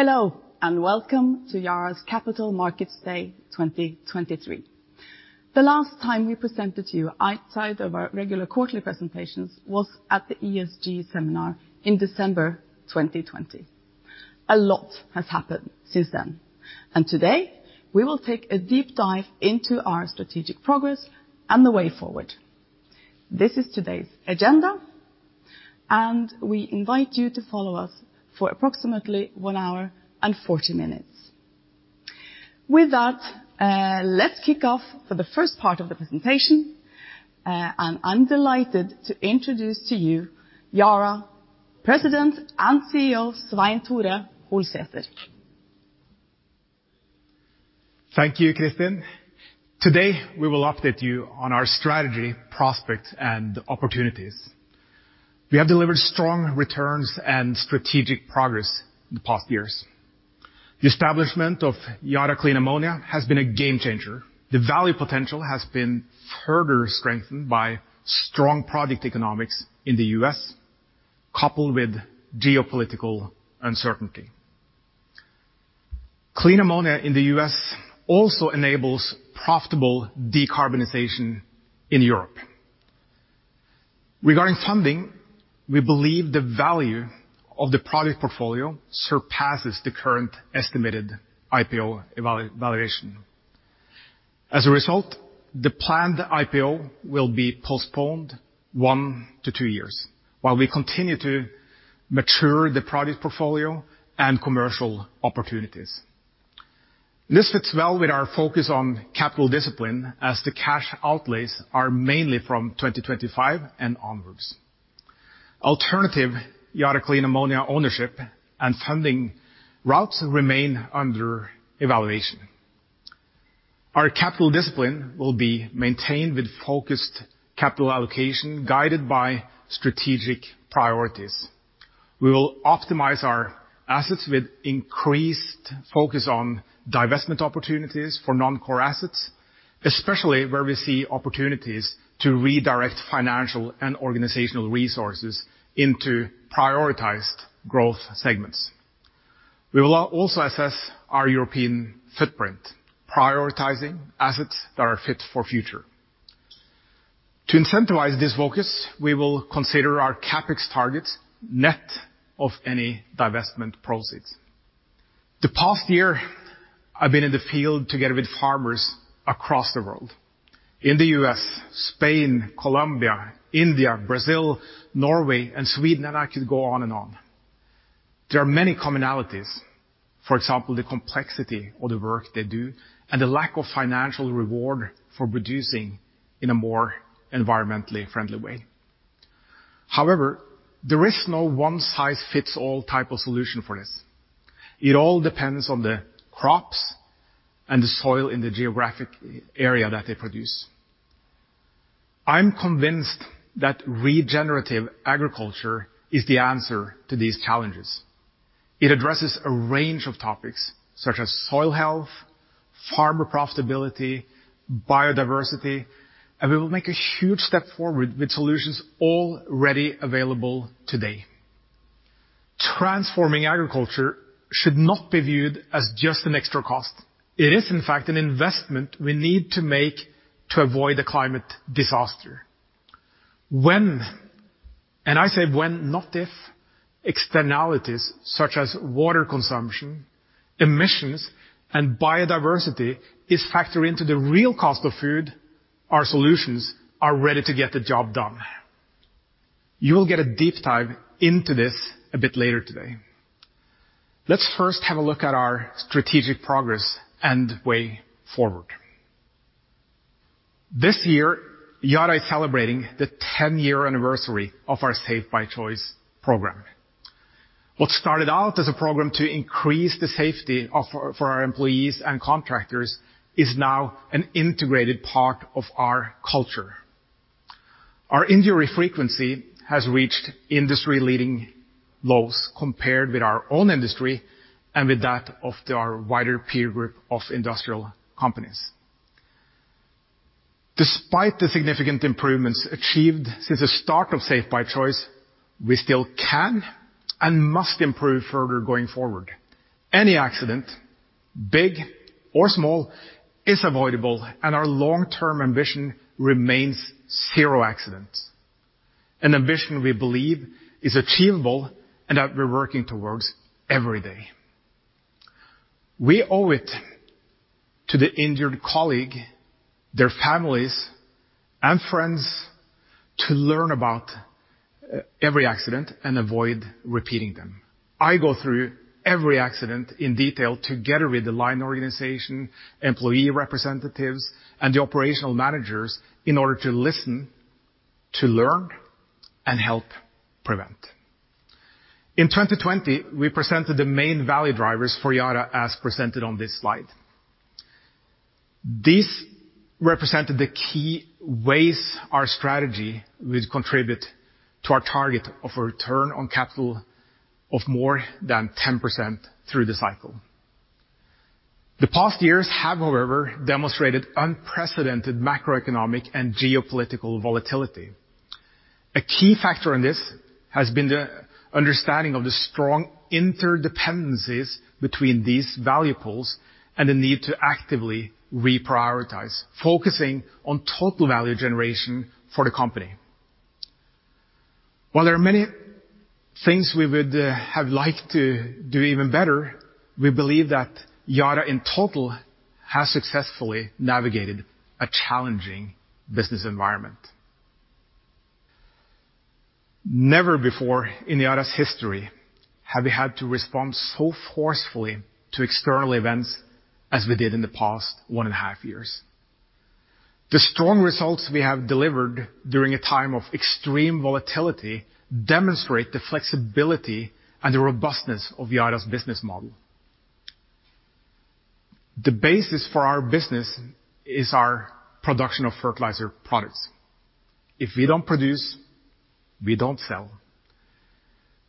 Hello, and welcome to Yara's Capital Markets Day 2023. The last time we presented to you outside of our regular quarterly presentations was at the ESG seminar in December 2020. A lot has happened since then, and today, we will take a deep dive into our strategic progress and the way forward. This is today's agenda, and we invite you to follow us for approximately 1 hour and 40 minutes. With that, let's kick off for the first part of the presentation, and I'm delighted to introduce to you Yara President and CEO, Svein Tore Holsether. Thank you, Kristin. Today, we will update you on our strategy, prospects, and opportunities. We have delivered strong returns and strategic progress in the past years. The establishment of Yara Clean Ammonia has been a game changer. The value potential has been further strengthened by strong product economics in the US, coupled with geopolitical uncertainty. Clean ammonia in the US also enables profitable decarbonization in Europe. Regarding funding, we believe the value of the product portfolio surpasses the current estimated IPO valuation. The planned IPO will be postponed one to two years, while we continue to mature the product portfolio and commercial opportunities. This fits well with our focus on capital discipline, as the cash outlays are mainly from 2025 and onwards. Alternative Yara Clean Ammonia ownership and funding routes remain under evaluation. Our capital discipline will be maintained with focused capital allocation, guided by strategic priorities. We will optimize our assets with increased focus on divestment opportunities for non-core assets, especially where we see opportunities to redirect financial and organizational resources into prioritized growth segments. We will also assess our European footprint, prioritizing assets that are fit for future. To incentivize this focus, we will consider our CapEx targets net of any divestment proceeds. The past year, I've been in the field together with farmers across the world, in the US, Spain, Colombia, India, Brazil, Norway, and Sweden, and I could go on and on. There are many commonalities, for example, the complexity of the work they do and the lack of financial reward for producing in a more environmentally friendly way. However, there is no one-size-fits-all type of solution for this. It all depends on the crops and the soil in the geographic area that they produce. I'm convinced that regenerative agriculture is the answer to these challenges. It addresses a range of topics such as soil health, farmer profitability, biodiversity, and we will make a huge step forward with solutions already available today. Transforming agriculture should not be viewed as just an extra cost. It is, in fact, an investment we need to make to avoid a climate disaster. When, and I say when, not if, externalities such as water consumption, emissions, and biodiversity is factored into the real cost of food, our solutions are ready to get the job done. You will get a deep dive into this a bit later today. Let's first have a look at our strategic progress and way forward. This year, Yara is celebrating the 10-year anniversary of our Safe by Choice program. What started out as a program to increase the safety for our employees and contractors is now an integrated part of our culture. Our injury frequency has reached industry-leading lows compared with our own industry and with that of our wider peer group of industrial companies. Despite the significant improvements achieved since the start of Safe by Choice, we still can and must improve further going forward. Any accident, big or small, is avoidable, and our long-term ambition remains zero accidents, an ambition we believe is achievable and that we're working towards every day. We owe it to the injured colleague, their families, and friends to learn about every accident and avoid repeating them. I go through every accident in detail together with the line organization, employee representatives, and the operational managers in order to listen, to learn, and help prevent. In 2020, we presented the main value drivers for Yara, as presented on this slide. This represented the key ways our strategy will contribute to our target of a return on capital of more than 10% through the cycle. The past years have, however, demonstrated unprecedented macroeconomic and geopolitical volatility. A key factor in this has been the understanding of the strong interdependencies between these value pools and the need to actively reprioritize, focusing on total value generation for the company. While there are many things we would have liked to do even better, we believe that Yara, in total, has successfully navigated a challenging business environment. Never before in Yara's history have we had to respond so forcefully to external events as we did in the past one and a half years. The strong results we have delivered during a time of extreme volatility demonstrate the flexibility and the robustness of Yara's business model. The basis for our business is our production of fertilizer products. If we don't produce, we don't sell,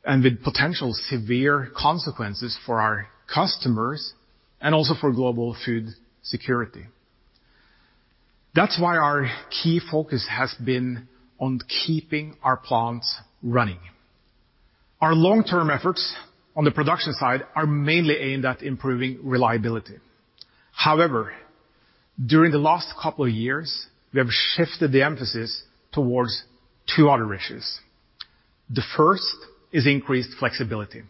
and with potential severe consequences for our customers and also for global food security. That's why our key focus has been on keeping our plants running. Our long-term efforts on the production side are mainly aimed at improving reliability. However, during the last couple of years, we have shifted the emphasis towards two other issues. The first is increased flexibility,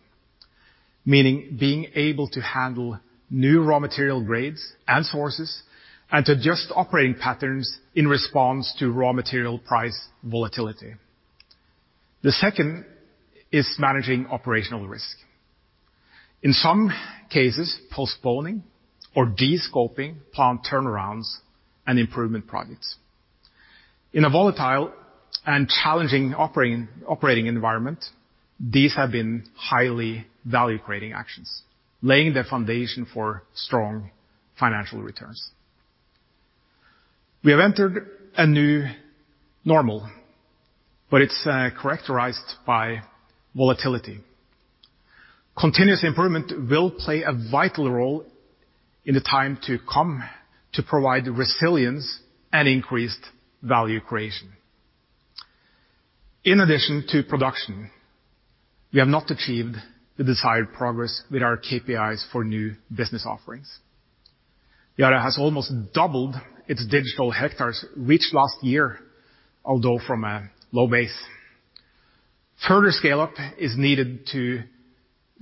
meaning being able to handle new raw material grades and sources, and to adjust operating patterns in response to raw material price volatility. The second is managing operational risk. In some cases, postponing or de-scoping plant turnarounds and improvement projects. In a volatile and challenging operating environment, these have been highly value-creating actions, laying the foundation for strong financial returns. We have entered a new normal, but it's characterized by volatility. Continuous improvement will play a vital role in the time to come to provide resilience and increased value creation. In addition to production, we have not achieved the desired progress with our KPIs for new business offerings. Yara has almost doubled its digital hectares reach last year, although from a low base. Further scale-up is needed to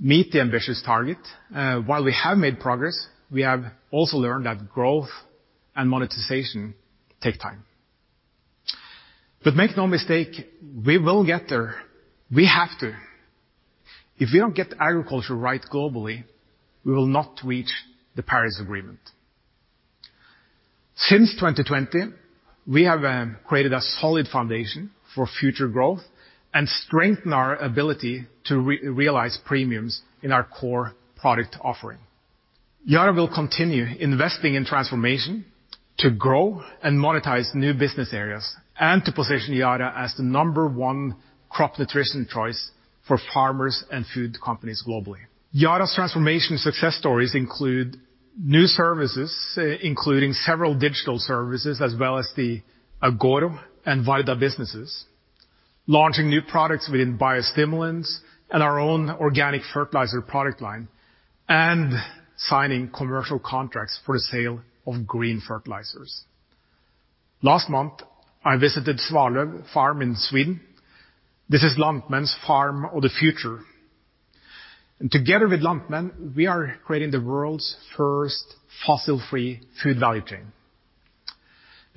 meet the ambitious target. While we have made progress, we have also learned that growth and monetization take time. Make no mistake, we will get there. We have to. If we don't get agriculture right globally, we will not reach the Paris Agreement. Since 2020, we have created a solid foundation for future growth and strengthened our ability to re- realize premiums in our core product offering. Yara will continue investing in transformation to grow and monetize new business areas, and to position Yara as the number one crop nutrition choice for farmers and food companies globally. Yara's transformation success stories include new services, including several digital services, as well as the Agoro and Varida businesses, launching new products within biostimulants and our own organic fertilizer product line, and signing commercial contracts for the sale of green fertilizers. Last month, I visited Svalöv Farm in Sweden. This is Lantmännen's farm of the future, and together with Lantmännen, we are creating the world's first fossil-free food value chain.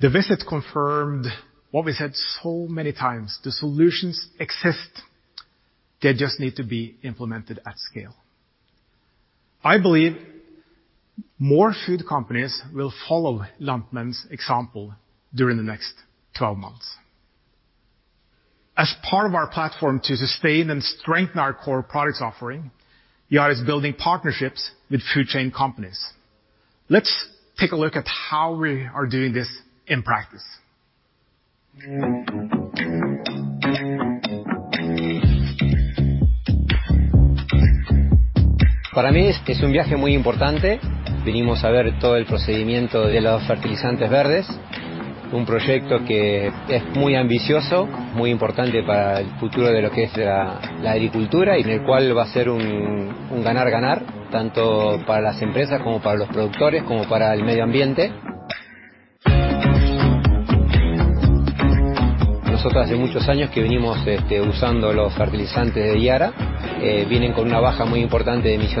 The visit confirmed what we said so many times, the solutions exist, they just need to be implemented at scale.I believe more food companies will follow Lantmännen's example during the next 12 months. As part of our platform to sustain and strengthen our core products offering, Yara is building partnerships with food chain companies. Let's take a look at how we are doing this in practice. For me, it's a very important trip. We came to see the whole procedure of the green fertilizers, a very ambitious project, very important for the future of agriculture, and which will be a win-win, both for the companies, for the producers, and for the environment. We have been using Yara fertilizers for many years.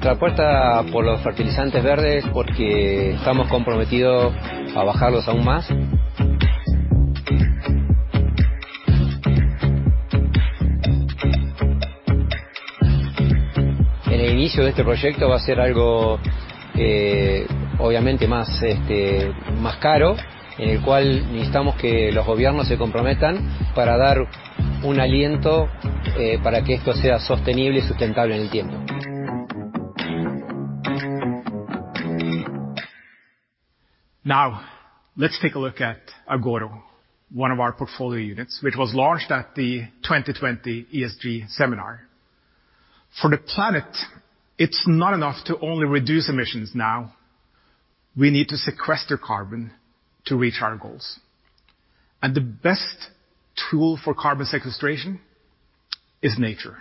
They come with a very important low carbon emission, and our bet on green fertilizers is because we are committed to reducing them even more. At the beginning of this project, it is going to be something obviously more expensive, in which we need governments to commit themselves to give a boost so that this is sustainable and viable over time. Now, let's take a look at Agoro, one of our portfolio units, which was launched at the 2020 ESG seminar. For the planet, it's not enough to only reduce emissions now, we need to sequester carbon to reach our goals. The best tool for carbon sequestration is nature.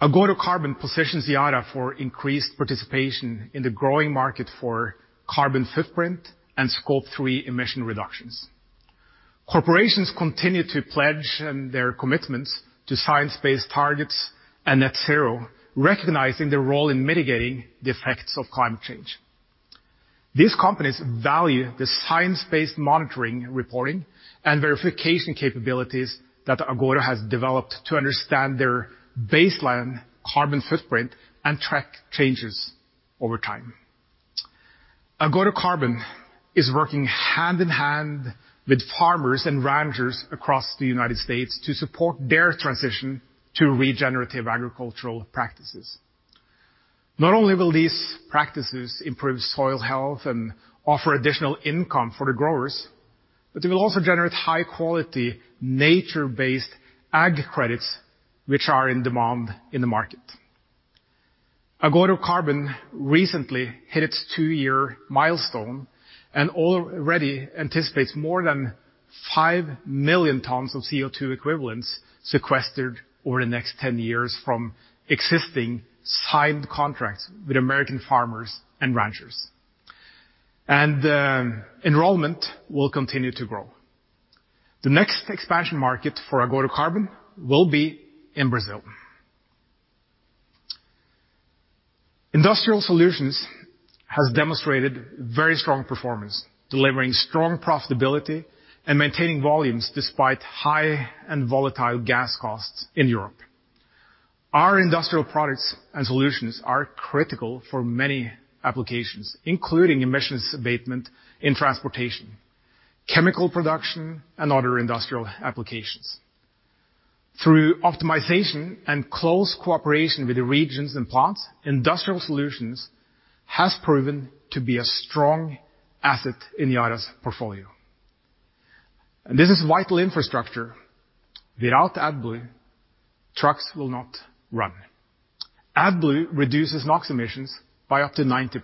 Agoro Carbon positions Yara for increased participation in the growing market for carbon footprint and Scope 3 emission reductions. Corporations continue to pledge their commitments to science-based targets and net zero, recognizing their role in mitigating the effects of climate change. These companies value the science-based monitoring, reporting, and verification capabilities that Agoro has developed to understand their baseline carbon footprint and track changes over time. Agoro Carbon is working hand-in-hand with farmers and ranchers across the United States to support their transition to regenerative agricultural practices. Not only will these practices improve soil health and offer additional income for the growers, but they will also generate high-quality, nature-based ag credits, which are in demand in the market. Agoro Carbon recently hit its two-year milestone, and already anticipates more than 5 million tons of CO2 equivalents sequestered over the next 10 years from existing signed contracts with American farmers and ranchers. Enrollment will continue to grow. The next expansion market for Agoro Carbon will be in Brazil. Industrial Solutions has demonstrated very strong performance, delivering strong profitability and maintaining volumes despite high and volatile gas costs in Europe. Our industrial products and solutions are critical for many applications, including emissions abatement in transportation, chemical production, and other industrial applications. Through optimization and close cooperation with the regions and plants, Industrial Solutions has proven to be a strong asset in Yara's portfolio. This is vital infrastructure. Without AdBlue, trucks will not run. AdBlue reduces NOx emissions by up to 90%.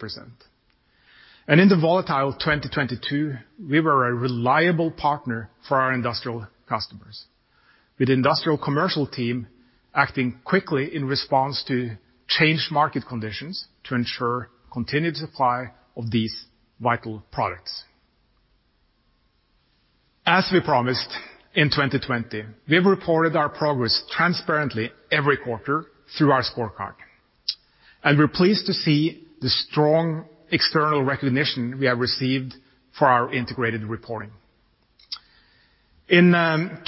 In the volatile 2022, we were a reliable partner for our industrial customers, with the industrial commercial team acting quickly in response to changed market conditions to ensure continued supply of these vital products. As we promised in 2020, we've reported our progress transparently every quarter through our scorecard, and we're pleased to see the strong external recognition we have received for our integrated reporting. In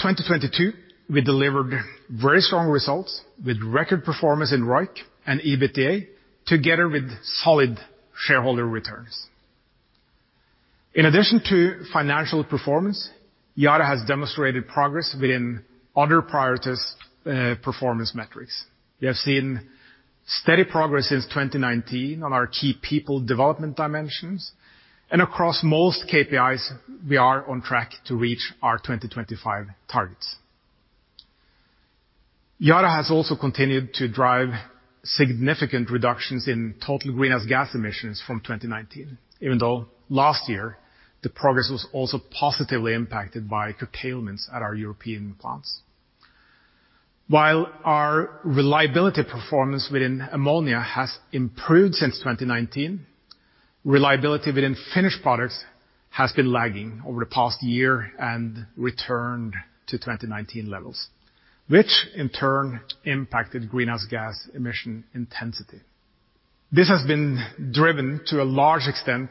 2022, we delivered very strong results, with record performance in ROIC and EBITDA, together with solid shareholder returns. In addition to financial performance, Yara has demonstrated progress within other priorities, performance metrics. We have seen steady progress since 2019 on our key people development dimensions, and across most KPIs, we are on track to reach our 2025 targets. Yara has also continued to drive significant reductions in total greenhouse gas emissions from 2019, even though last year, the progress was also positively impacted by curtailments at our European plants. While our reliability performance within ammonia has improved since 2019, reliability within finished products has been lagging over the past year and returned to 2019 levels, which in turn impacted greenhouse gas emission intensity. This has been driven, to a large extent,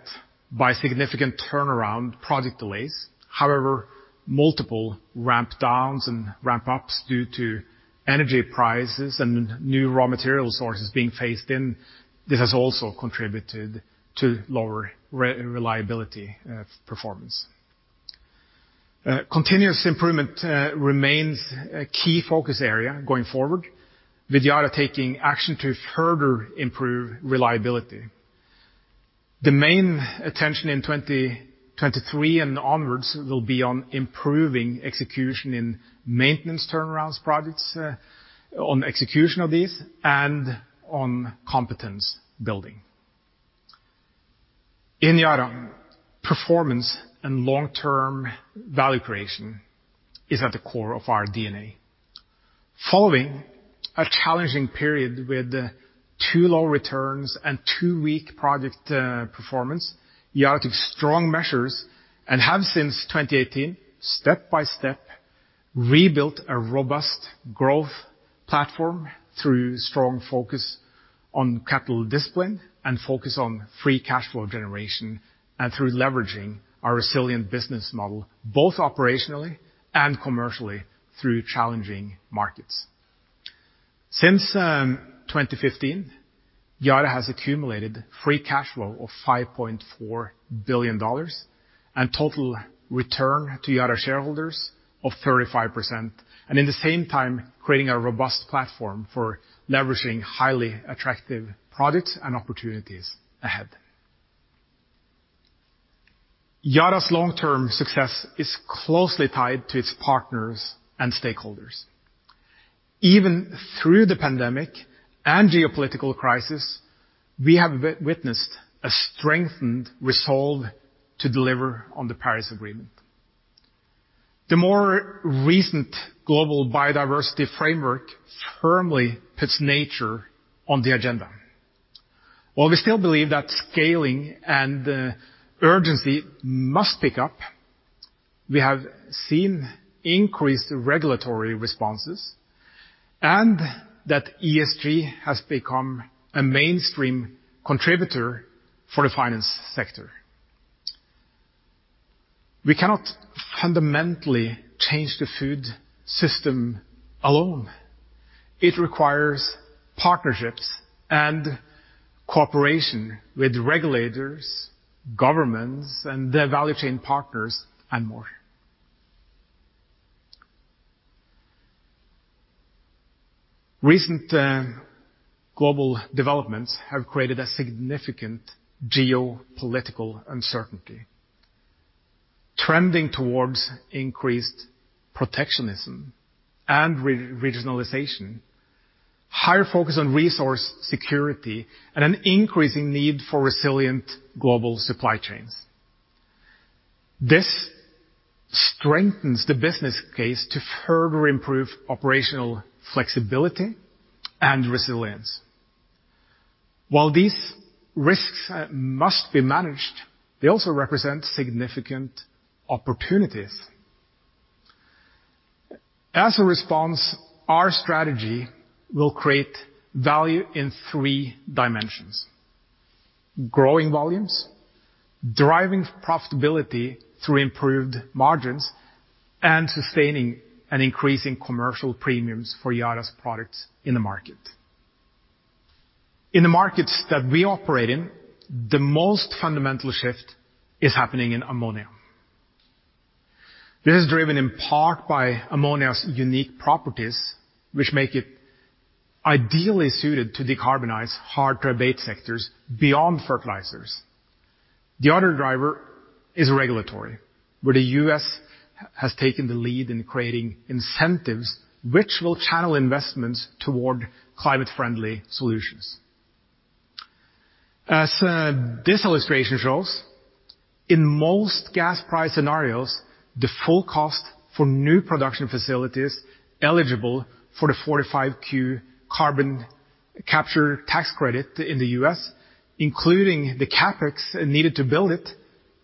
by significant turnaround project delays. Multiple ramp downs and ramp ups due to energy prices and new raw material sources being phased in, this has also contributed to lower reliability performance. Continuous improvement remains a key focus area going forward, with Yara taking action to further improve reliability. The main attention in 2023 and onwards will be on improving execution in maintenance turnarounds projects, on execution of these, and on competence building. In Yara, performance and long-term value creation is at the core of our DNA. Following a challenging period with too low returns and too weak project performance, Yara took strong measures and have since 2018, step by step, rebuilt a robust growth platform through strong focus on capital discipline, and focus on free cash flow generation, and through leveraging our resilient business model, both operationally and commercially, through challenging markets. Since 2015, Yara has accumulated free cash flow of $5.4 billion. Total return to Yara shareholders of 35%, at the same time, creating a robust platform for leveraging highly attractive products and opportunities ahead. Yara's long-term success is closely tied to its partners and stakeholders. Even through the pandemic and geopolitical crisis, we have witnessed a strengthened resolve to deliver on the Paris Agreement. The more recent global biodiversity framework firmly puts nature on the agenda. While we still believe that scaling and urgency must pick up, we have seen increased regulatory responses, that ESG has become a mainstream contributor for the finance sector. We cannot fundamentally change the food system alone. It requires partnerships and cooperation with regulators, governments, and their value chain partners, and more. Recent global developments have created a significant geopolitical uncertainty, trending towards increased protectionism and re-regionalization, higher focus on resource security, and an increasing need for resilient global supply chains. This strengthens the business case to further improve operational flexibility and resilience. While these risks must be managed, they also represent significant opportunities. As a response, our strategy will create value in three dimensions: growing volumes, driving profitability through improved margins, and sustaining and increasing commercial premiums for Yara's products in the market. In the markets that we operate in, the most fundamental shift is happening in ammonia. This is driven in part by ammonia's unique properties, which make it ideally suited to decarbonize hard-to-abate sectors beyond fertilizers. The other driver is regulatory, where the US has taken the lead in creating incentives, which will channel investments toward climate-friendly solutions. As this illustration shows, in most gas price scenarios, the full cost for new production facilities eligible for the 45Q carbon capture tax credit in the US, including the CapEx needed to build it,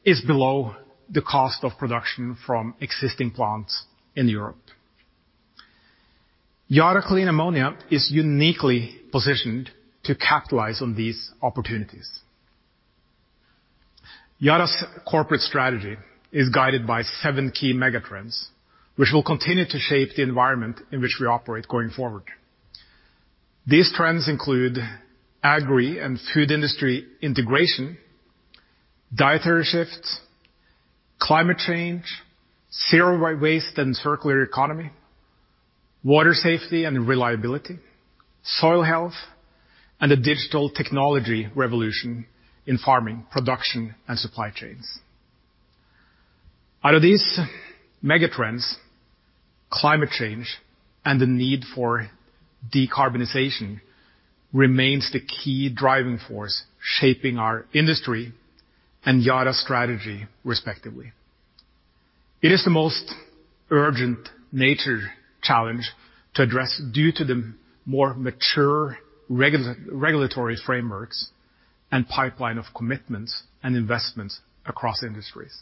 is below the cost of production from existing plants in Europe. Yara Clean Ammonia is uniquely positioned to capitalize on these opportunities. Yara's corporate strategy is guided by 7 key megatrends, which will continue to shape the environment in which we operate going forward. These trends include agri and food industry integration, dietary shifts, climate change, zero waste and circular economy, water safety and reliability, soil health, and the digital technology revolution in farming, production, and supply chains. Out of these megatrends, climate change and the need for decarbonization remains the key driving force, shaping our industry and Yara's strategy, respectively. It is the most urgent nature challenge to address, due to the more mature regulatory frameworks and pipeline of commitments and investments across industries.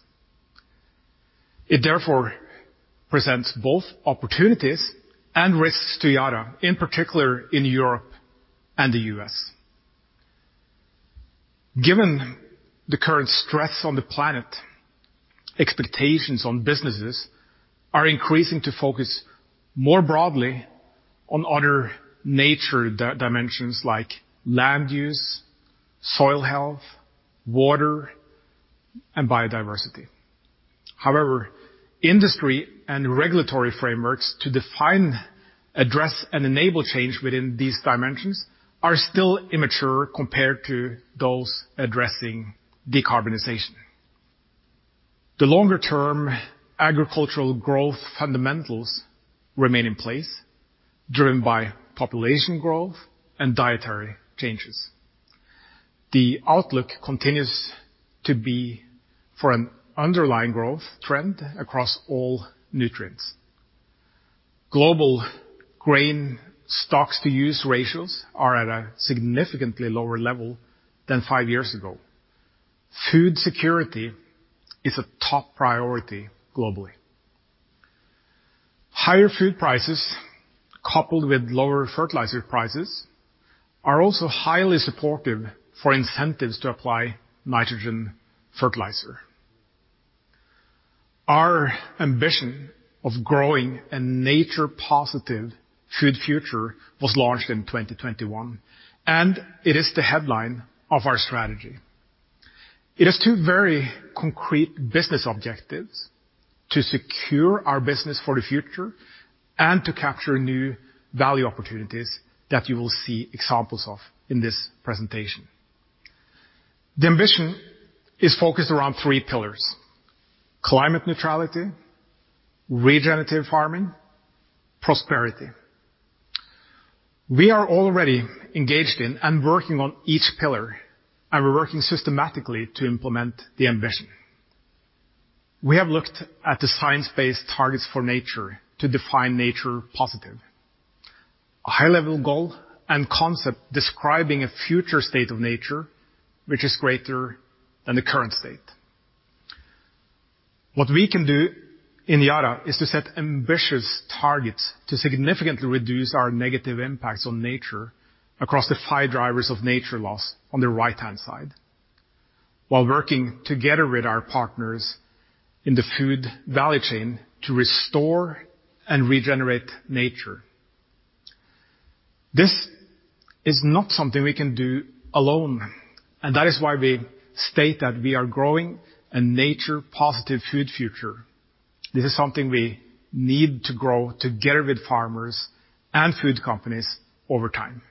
It therefore presents both opportunities and risks to Yara, in particular in Europe and the US Given the current stress on the planet, expectations on businesses are increasing to focus more broadly on other nature dimensions like land use, soil health, water, and biodiversity. However, industry and regulatory frameworks to define, address, and enable change within these dimensions are still immature compared to those addressing decarbonization. The longer-term agricultural growth fundamentals remain in place, driven by population growth and dietary changes. The outlook continues to be for an underlying growth trend across all nutrients. Global grain stocks-to-use ratios are at a significantly lower level than five years ago. Food security is a top priority globally. Higher food prices, coupled with lower fertilizer prices, are also highly supportive for incentives to apply nitrogen fertilizer. Our ambition of growing a nature positive food future was launched in 2021, and it is the headline of our strategy. It has two very concrete business objectives: to secure our business for the future, and to capture new value opportunities that you will see examples of in this presentation. The ambition is focused around three pillars: climate neutrality, regenerative farming, prosperity. We are already engaged in and working on each pillar, and we're working systematically to implement the ambition. We have looked at the science-based targets for nature to define nature positive. A high-level goal and concept describing a future state of nature, which is greater than the current state. What we can do in Yara is to set ambitious targets to significantly reduce our negative impacts on nature across the five drivers of nature loss on the right-hand side, while working together with our partners in the food value chain to restore and regenerate nature. This is not something we can do alone, and that is why we state that we are growing a nature positive food future. This is something we need to grow together with farmers and food companies over time.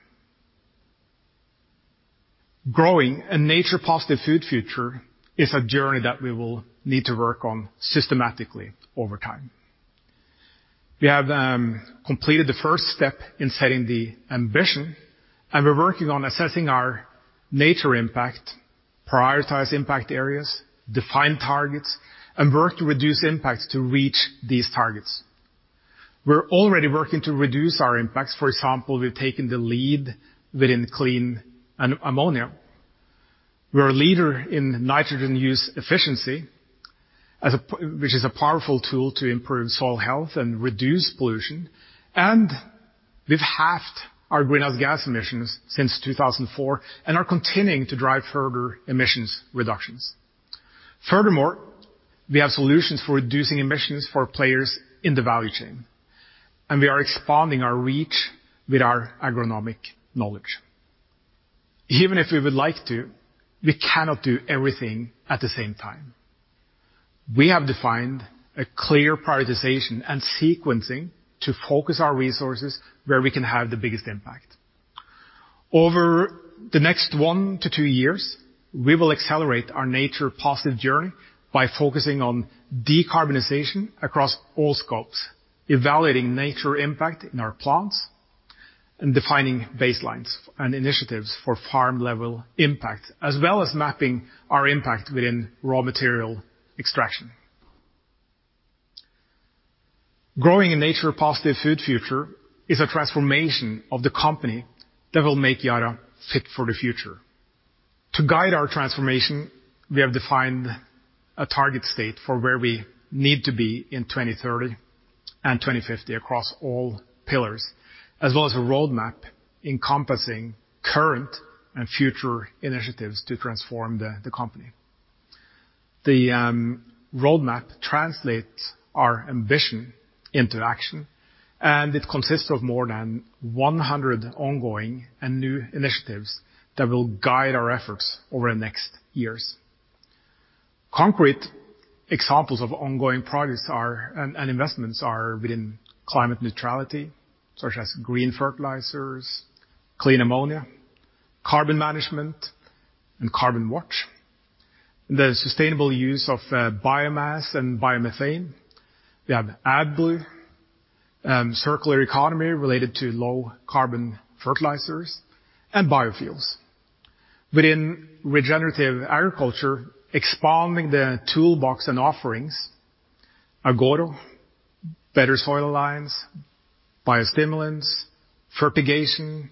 Growing a nature positive food future is a journey that we will need to work on systematically over time. We have completed the first step in setting the ambition, and we're working on assessing our nature impact, prioritize impact areas, define targets, and work to reduce impacts to reach these targets. We're already working to reduce our impacts. For example, we've taken the lead within clean and ammonia. We're a leader in nitrogen use efficiency, which is a powerful tool to improve soil health and reduce pollution. We've halved our greenhouse gas emissions since 2004, and are continuing to drive further emissions reductions. We have solutions for reducing emissions for players in the value chain, and we are expanding our reach with our agronomic knowledge. Even if we would like to, we cannot do everything at the same time. We have defined a clear prioritization and sequencing to focus our resources where we can have the biggest impact. Over the next 1 to 2 years, we will accelerate our nature positive journey by focusing on decarbonization across all Scopes, evaluating nature impact in our plants, and defining baselines and initiatives for farm-level impact, as well as mapping our impact within raw material extraction. Growing a nature positive food future is a transformation of the company that will make Yara fit for the future. To guide our transformation, we have defined a target state for where we need to be in 2030 and 2050 across all pillars, as well as a roadmap encompassing current and future initiatives to transform the company. The roadmap translates our ambition into action, and it consists of more than 100 ongoing and new initiatives that will guide our efforts over the next years. Concrete examples of ongoing projects are, and investments are within climate neutrality, such as green fertilizers, clean ammonia, carbon management, and Carbon Watch, the sustainable use of biomass and biomethane. We have AdBlue, circular economy related to low carbon fertilizers and biofuels. Within regenerative agriculture, expanding the toolbox and offerings, Agoro, better soil lines, biostimulants, fertigation,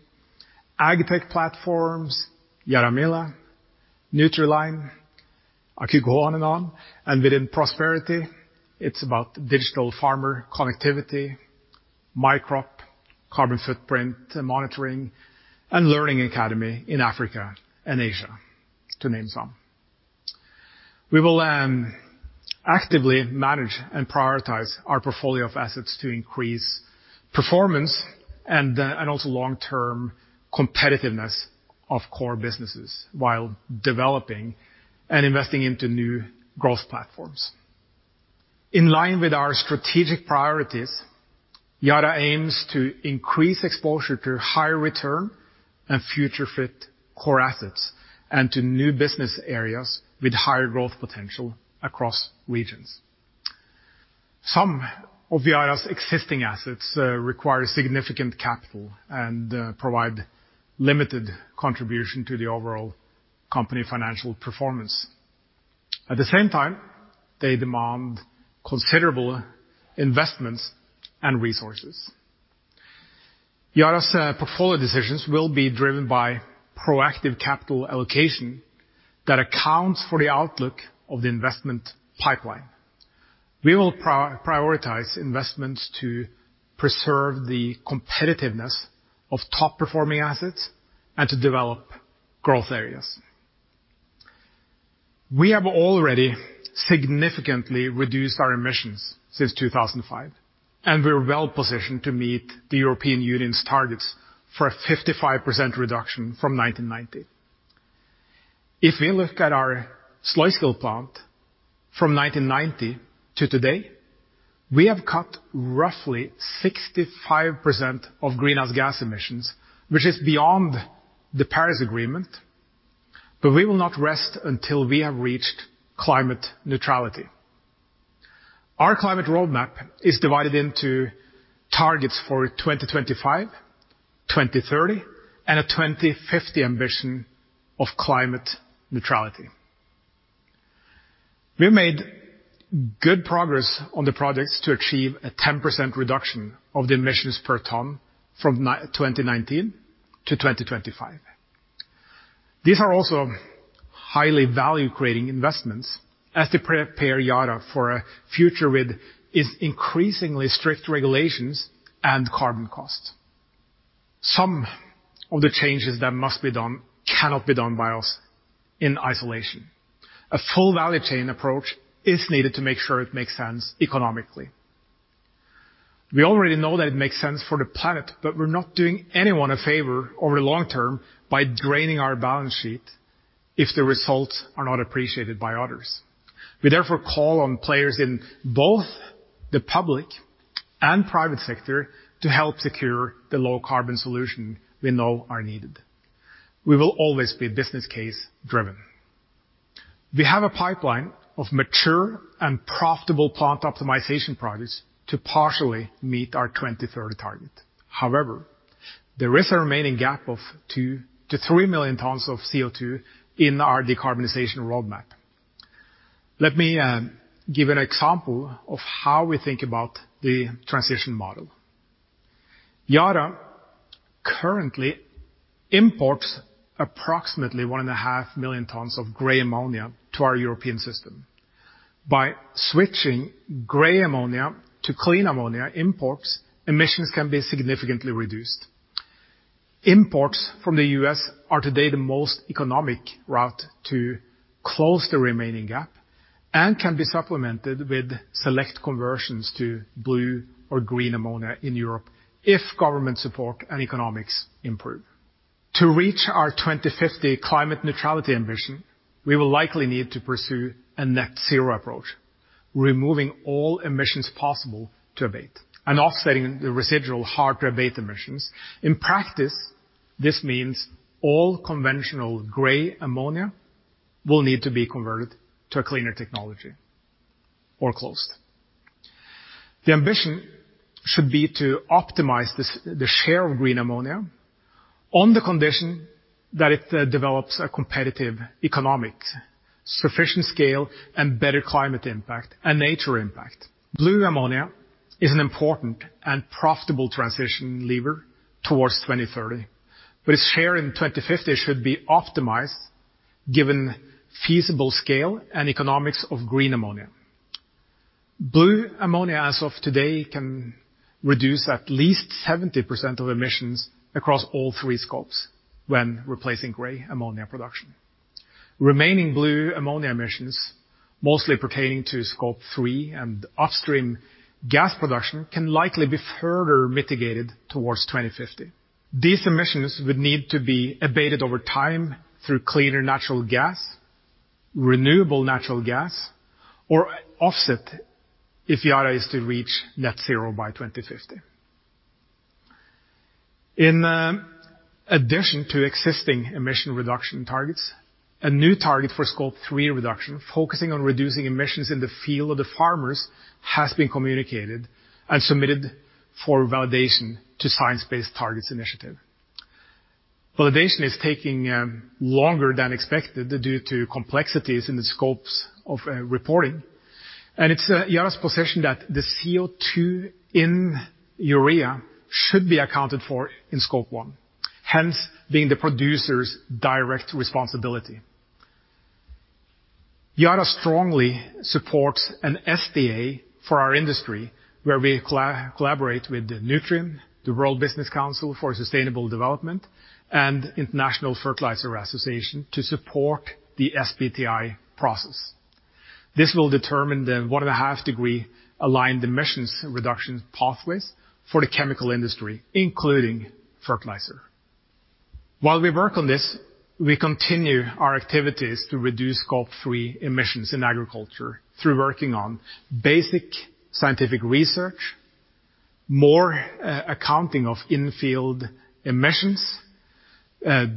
agtech platforms, YaraMila, NutriLine. I could go on and on. Within prosperity, it's about digital farmer connectivity, myCrop, carbon footprint monitoring, and learning academy in Africa and Asia, to name some. We will actively manage and prioritize our portfolio of assets to increase performance and also long-term competitiveness of core businesses, while developing and investing into new growth platforms. In line with our strategic priorities, Yara aims to increase exposure to higher return and future fit core assets, and to new business areas with higher growth potential across regions. Some of Yara's existing assets require significant capital and provide limited contribution to the overall company financial performance. At the same time, they demand considerable investments and resources. Yara's portfolio decisions will be driven by proactive capital allocation that accounts for the outlook of the investment pipeline. We will prioritize investments to preserve the competitiveness of top-performing assets and to develop growth areas. We have already significantly reduced our emissions since 2005, and we're well positioned to meet the European Union's targets for a 55% reduction from 1990. If we look at our Sluiskil plant from 1990 to today, we have cut roughly 65% of greenhouse gas emissions, which is beyond the Paris Agreement, but we will not rest until we have reached climate neutrality. Our climate roadmap is divided into targets for 2025, 2030, and a 2050 ambition of climate neutrality. We've made good progress on the projects to achieve a 10% reduction of the emissions per ton from 2019 to 2025. These are also highly value-creating investments as they prepare Yara for a future with its increasingly strict regulations and carbon costs. Some of the changes that must be done cannot be done by us in isolation. A full value chain approach is needed to make sure it makes sense economically. We already know that it makes sense for the planet. We're not doing anyone a favor over the long term by draining our balance sheet if the results are not appreciated by others. We therefore call on players in both the public and private sector to help secure the low-carbon solution we know are needed. We will always be business case driven. We have a pipeline of mature and profitable plant optimization projects to partially meet our 2030 target. However, there is a remaining gap of 2-3 million tons of CO2 in our decarbonization roadmap. Let me give an example of how we think about the transition model. Yara currently imports approximately 1.5 million tons of grey ammonia to our European system. By switching grey ammonia to clean ammonia imports, emissions can be significantly reduced. Imports from the US are today the most economic route to close the remaining gap and can be supplemented with select conversions to blue or green ammonia in Europe if government support and economics improve. To reach our 2050 climate neutrality ambition, we will likely need to pursue a net zero approach, removing all emissions possible to abate and offsetting the residual hard-to-abate emissions. In practice, this means all conventional grey ammonia will need to be converted to a cleaner technology or closed. The ambition should be to optimize the share of green ammonia on the condition that it develops a competitive economic, sufficient scale, and better climate impact and nature impact. Blue ammonia is an important and profitable transition lever towards 2030, but its share in 2050 should be optimized, given feasible scale and economics of green ammonia. Blue ammonia, as of today, can reduce at least 70% of emissions across all three scopes when replacing grey ammonia production. Remaining blue ammonia emissions, mostly pertaining to Scope 3 and upstream gas production, can likely be further mitigated towards 2050. These emissions would need to be abated over time through cleaner natural gas, renewable natural gas, or offset if Yara is to reach net zero by 2050. In addition to existing emission reduction targets, a new target for Scope 3 reduction, focusing on reducing emissions in the field of the farmers, has been communicated and submitted for validation to Science Based Targets initiative. Validation is taking longer than expected due to complexities in the scopes of reporting, and it's Yara's position that the CO2 in urea should be accounted for in Scope 1, hence, being the producer's direct responsibility. Yara strongly supports an SBA for our industry, where we collaborate with the Nutrien, the World Business Council for Sustainable Development, and International Fertilizer Association to support the SBTI process. This will determine the 1.5 degree aligned emissions reduction pathways for the chemical industry, including fertilizer. While we work on this, we continue our activities to reduce Scope 3 emissions in agriculture through working on basic scientific research, more accounting of in-field emissions,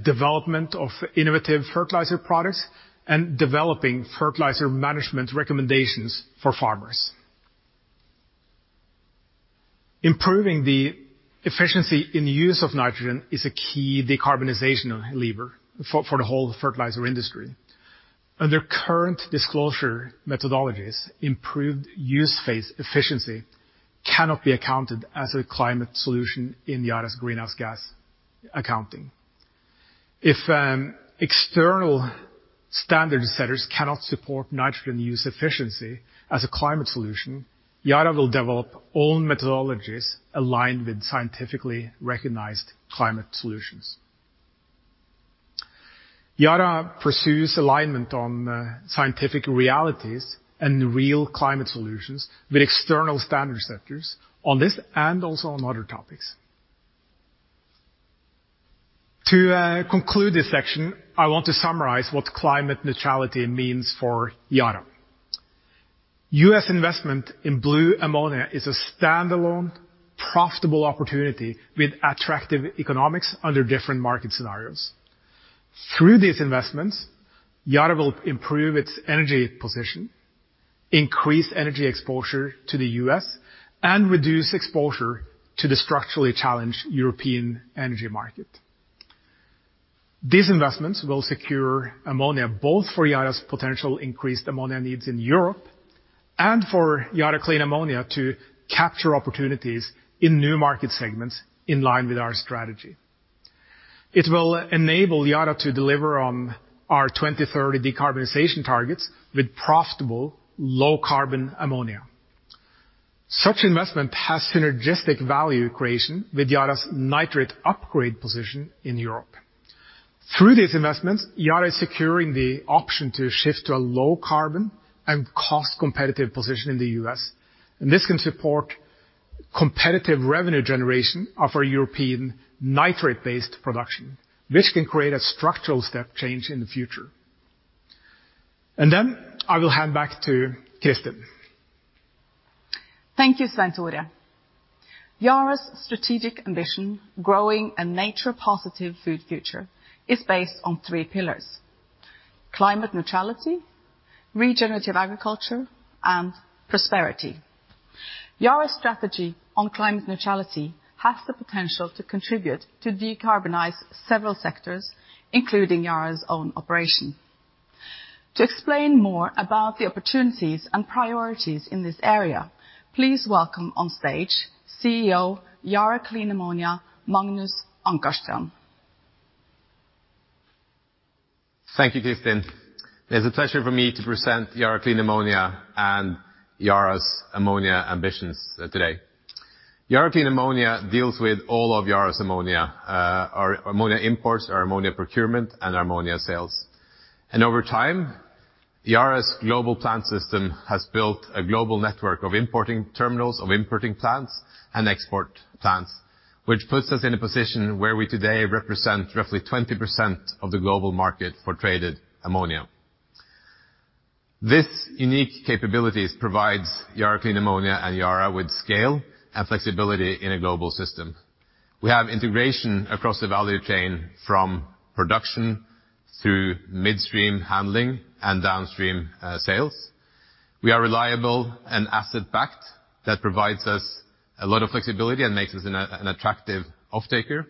development of innovative fertilizer products, and developing fertilizer management recommendations for farmers. Improving the efficiency in use of nitrogen is a key decarbonization lever for the whole fertilizer industry. Under current disclosure methodologies, improved use phase efficiency cannot be accounted as a climate solution in Yara's greenhouse gas accounting. If external... standard setters cannot support nitrogen use efficiency as a climate solution, Yara will develop own methodologies aligned with scientifically recognized climate solutions. Yara pursues alignment on scientific realities and real climate solutions with external standard setters on this and also on other topics. To conclude this section, I want to summarize what climate neutrality means for Yara. US investment in blue ammonia is a standalone, profitable opportunity with attractive economics under different market scenarios. Through these investments, Yara will improve its energy position, increase energy exposure to the US, and reduce exposure to the structurally challenged European energy market. These investments will secure ammonia, both for Yara's potential increased ammonia needs in Europe, and for Yara Clean Ammonia to capture opportunities in new market segments in line with our strategy. It will enable Yara to deliver on our 2030 decarbonization targets with profitable low-carbon ammonia. Such investment has synergistic value creation with Yara's nitrate upgrade position in Europe. Through these investments, Yara is securing the option to shift to a low carbon and cost competitive position in the US. This can support competitive revenue generation of our European nitrate-based production, which can create a structural step change in the future. I will hand back to Kristin. Thank you, Svein Tore. Yara's strategic ambition, growing a nature-positive food future, is based on three pillars: climate neutrality, regenerative agriculture, and prosperity. Yara's strategy on climate neutrality has the potential to contribute to decarbonize several sectors, including Yara's own operation. To explain more about the opportunities and priorities in this area, please welcome on stage CEO, Yara Clean Ammonia, Magnus Ankarstrand. Thank you, Kirstin. It's a pleasure for me to present Yara Clean Ammonia and Yara's ammonia ambitions today. Yara Clean Ammonia deals with all of Yara's ammonia, our ammonia imports, our ammonia procurement, and our ammonia sales. Over time, Yara's global plant system has built a global network of importing terminals, of importing plants, and export plants, which puts us in a position where we today represent roughly 20% of the global market for traded ammonia. This unique capabilities provides Yara Clean Ammonia and Yara with scale and flexibility in a global system. We have integration across the value chain from production through midstream handling and downstream sales. We are reliable and asset-backed. That provides us a lot of flexibility and makes us an attractive offtaker.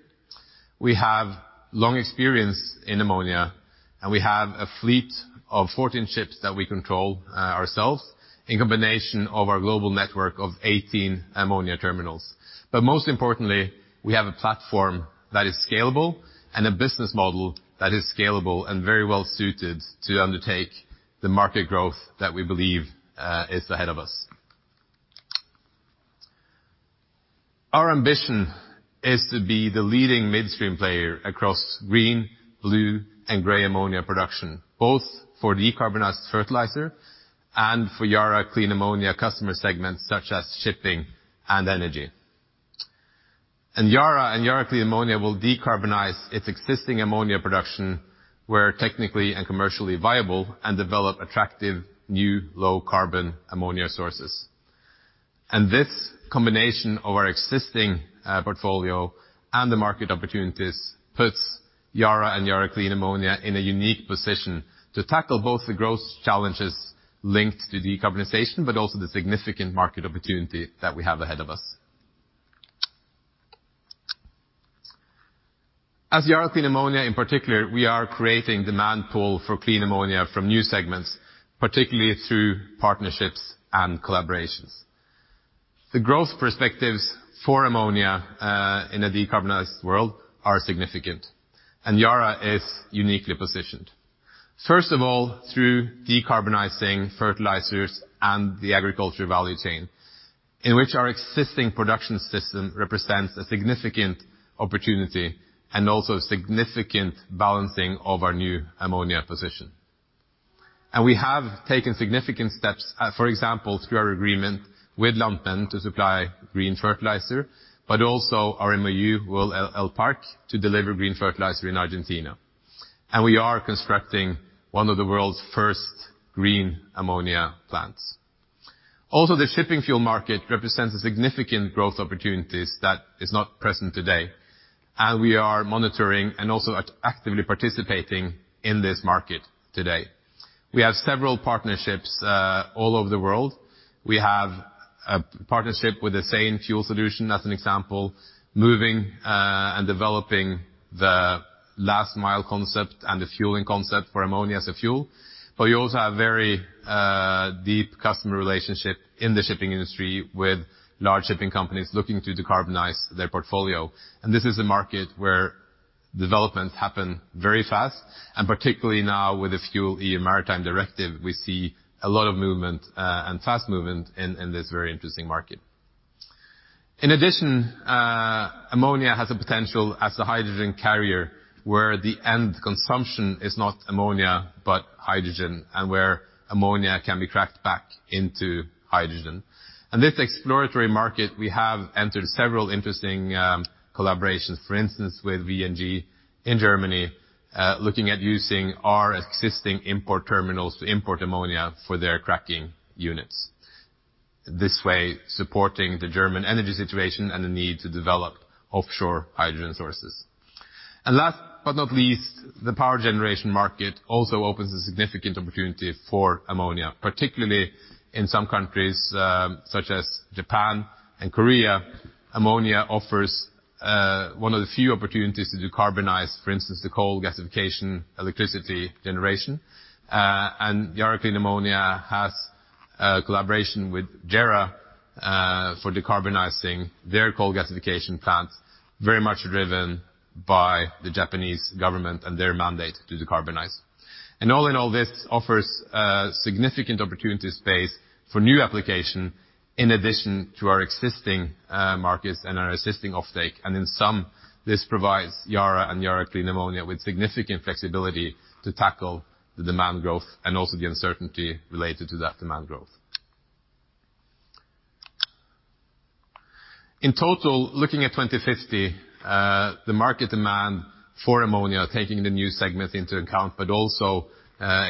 We have long experience in ammonia, and we have a fleet of 14 ships that we control ourselves, in combination of our global network of 18 ammonia terminals. Most importantly, we have a platform that is scalable and a business model that is scalable and very well suited to undertake the market growth that we believe is ahead of us. Our ambition is to be the leading midstream player across green, blue, and gray ammonia production, both for decarbonized fertilizer and for Yara Clean Ammonia customer segments, such as shipping and energy. Yara and Yara Clean Ammonia will decarbonize its existing ammonia production, where technically and commercially viable, and develop attractive, new, low-carbon ammonia sources. This combination of our existing portfolio and the market opportunities puts Yara and Yara Clean Ammonia in a unique position to tackle both the growth challenges linked to decarbonization, but also the significant market opportunity that we have ahead of us. Yara Clean Ammonia, in particular, we are creating demand pool for clean ammonia from new segments, particularly through partnerships and collaborations. The growth perspectives for ammonia in a decarbonized world are significant, and Yara is uniquely positioned. First of all, through decarbonizing fertilizers and the agriculture value chain, in which our existing production system represents a significant opportunity and also significant balancing of our new ammonia position. We have taken significant steps, for example, through our agreement with Lantmännen to supply green fertilizer, but also our MOU with El Parque to deliver green fertilizer in Argentina. We are constructing one of the world's first green ammonia plants. Also, the shipping fuel market represents a significant growth opportunities that is not present today, and we are monitoring and also actively participating in this market today. We have several partnerships all over the world. We have a partnership with Azane Fuel Solutions, as an example, moving and developing the last mile concept and the fueling concept for ammonia as a fuel. You also have very deep customer relationship in the shipping industry, with large shipping companies looking to decarbonize their portfolio. This is a market where developments happen very fast, and particularly now with the FuelEU Maritime, we see a lot of movement and fast movement in this very interesting market. In addition, ammonia has a potential as a hydrogen carrier, where the end consumption is not ammonia, but hydrogen, and where ammonia can be cracked back into hydrogen. This exploratory market, we have entered several interesting collaborations, for instance, with VNG in Germany, looking at using our existing import terminals to import ammonia for their cracking units, this way, supporting the German energy situation and the need to develop offshore hydrogen sources. Last but not least, the power generation market also opens a significant opportunity for ammonia, particularly in some countries, such as Japan and Korea. Ammonia offers one of the few opportunities to decarbonize, for instance, the coal gasification, electricity generation. Yara Clean Ammonia has a collaboration with JERA, for decarbonizing their coal gasification plant, very much driven by the Japanese government and their mandate to decarbonize. All in all, this offers a significant opportunity space for new application in addition to our existing markets and our existing offtake, and in some, this provides Yara and Yara Clean Ammonia with significant flexibility to tackle the demand growth and also the uncertainty related to that demand growth. In total, looking at 2050, the market demand for ammonia, taking the new segment into account, but also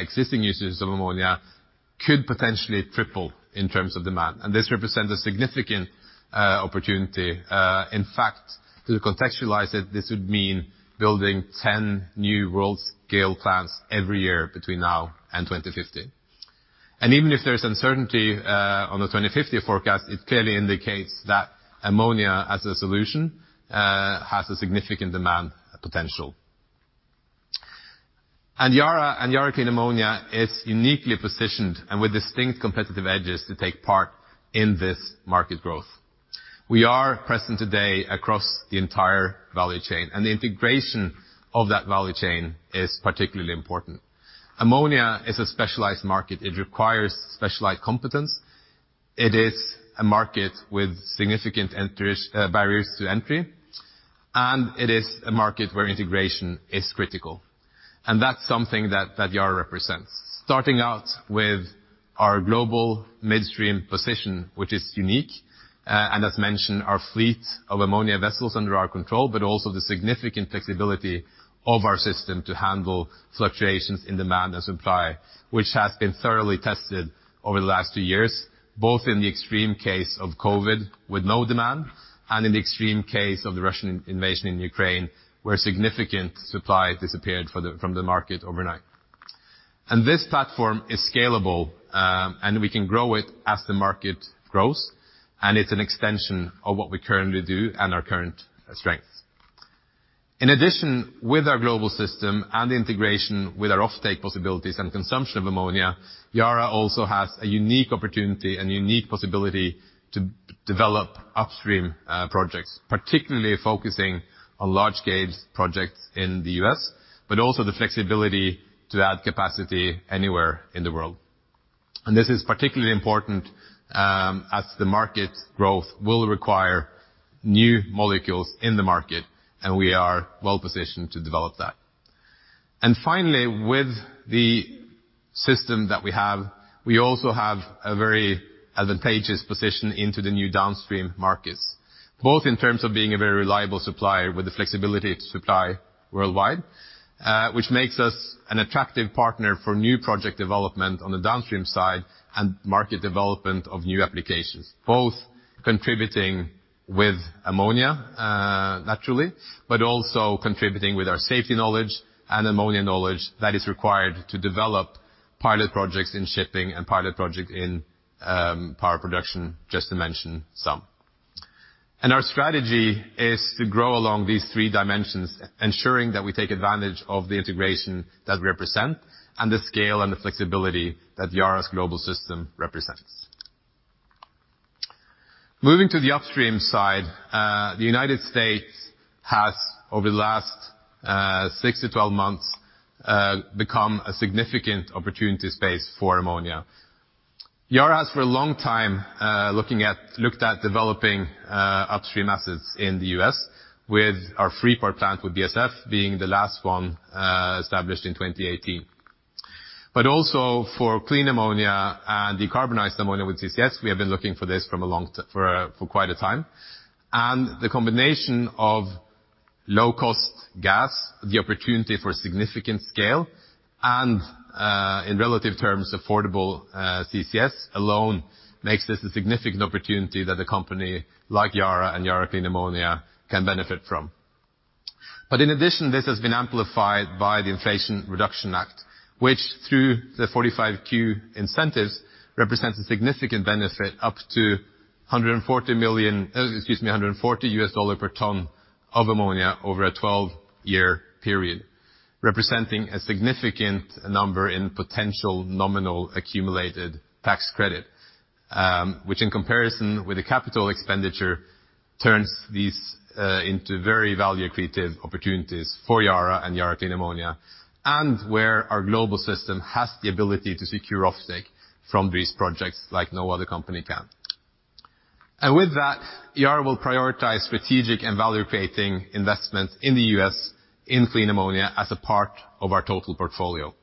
existing uses of ammonia, could potentially triple in terms of demand, and this represents a significant opportunity. In fact, to contextualize it, this would mean building 10 new world-scale plants every year between now and 2050. Even if there's uncertainty on the 2050 forecast, it clearly indicates that ammonia as a solution has a significant demand potential. Yara and Yara Clean Ammonia is uniquely positioned and with distinct competitive edges to take part in this market growth. We are present today across the entire value chain, and the integration of that value chain is particularly important. Ammonia is a specialized market. It requires specialized competence. It is a market with significant barriers to entry, and it is a market where integration is critical, and that's something that Yara represents. Starting out with our global midstream position, which is unique, and as mentioned, our fleet of ammonia vessels under our control, but also the significant flexibility of our system to handle fluctuations in demand and supply, which has been thoroughly tested over the last two years, both in the extreme case of COVID with no demand, and in the extreme case of the Russian invasion in Ukraine, where significant supply disappeared from the market overnight. This platform is scalable, and we can grow it as the market grows, and it's an extension of what we currently do and our current strengths. In addition, with our global system and integration with our offtake possibilities and consumption of ammonia, Yara also has a unique opportunity and unique possibility to develop upstream projects, particularly focusing on large-gauge projects in the US, but also the flexibility to add capacity anywhere in the world. This is particularly important as the market growth will require new molecules in the market, and we are well positioned to develop that. Finally, with the system that we have, we also have a very advantageous position into the new downstream markets, both in terms of being a very reliable supplier with the flexibility to supply worldwide, which makes us an attractive partner for new project development on the downstream side and market development of new applications, both contributing with ammonia, naturally, but also contributing with our safety knowledge and ammonia knowledge that is required to develop pilot projects in shipping and pilot projects in power production, just to mention some. Our strategy is to grow along these three dimensions, ensuring that we take advantage of the integration that we represent and the scale and the flexibility that Yara's global system represents. Moving to the upstream side, the United States has, over the last, 6 to 12 months, become a significant opportunity space for ammonia. Yara has, for a long time, looked at developing upstream assets in the US with our Freeport plant with BASF being the last one established in 2018. Also for clean ammonia and decarbonized ammonia with CCS, we have been looking for this for quite a time. The combination of low-cost gas, the opportunity for significant scale, and in relative terms, affordable CCS alone makes this a significant opportunity that a company like Yara and Yara Clean Ammonia can benefit from. In addition, this has been amplified by the Inflation Reduction Act, which, through the 45Q incentives, represents a significant benefit up to $140 million, excuse me, $140 US dollar per ton. of ammonia over a 12-year period, representing a significant number in potential nominal accumulated tax credit, which in comparison with the capital expenditure, turns these into very value-creative opportunities for Yara and Yara Clean Ammonia, and where our global system has the ability to secure offtake from these projects like no other company can. Yara will prioritize strategic and value-creating investments in the US, in clean ammonia as a part of our total portfolio.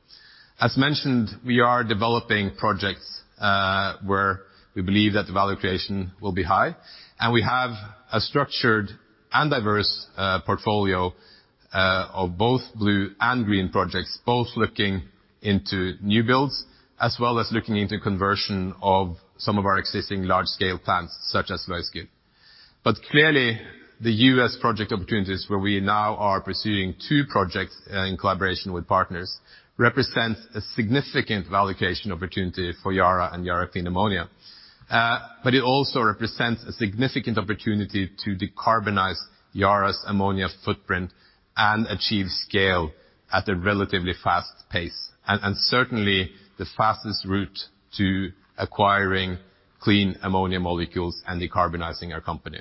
As mentioned, we are developing projects where we believe that the value creation will be high, and we have a structured and diverse portfolio of both blue and green projects, both looking into new builds, as well as looking into conversion of some of our existing large-scale plants, such as Løvskind. Clearly, the US project opportunities, where we now are pursuing two projects, in collaboration with partners, represents a significant value creation opportunity for Yara and Yara Clean Ammonia. It also represents a significant opportunity to decarbonize Yara's ammonia footprint and achieve scale at a relatively fast pace, and certainly the fastest route to acquiring clean ammonia molecules and decarbonizing our company.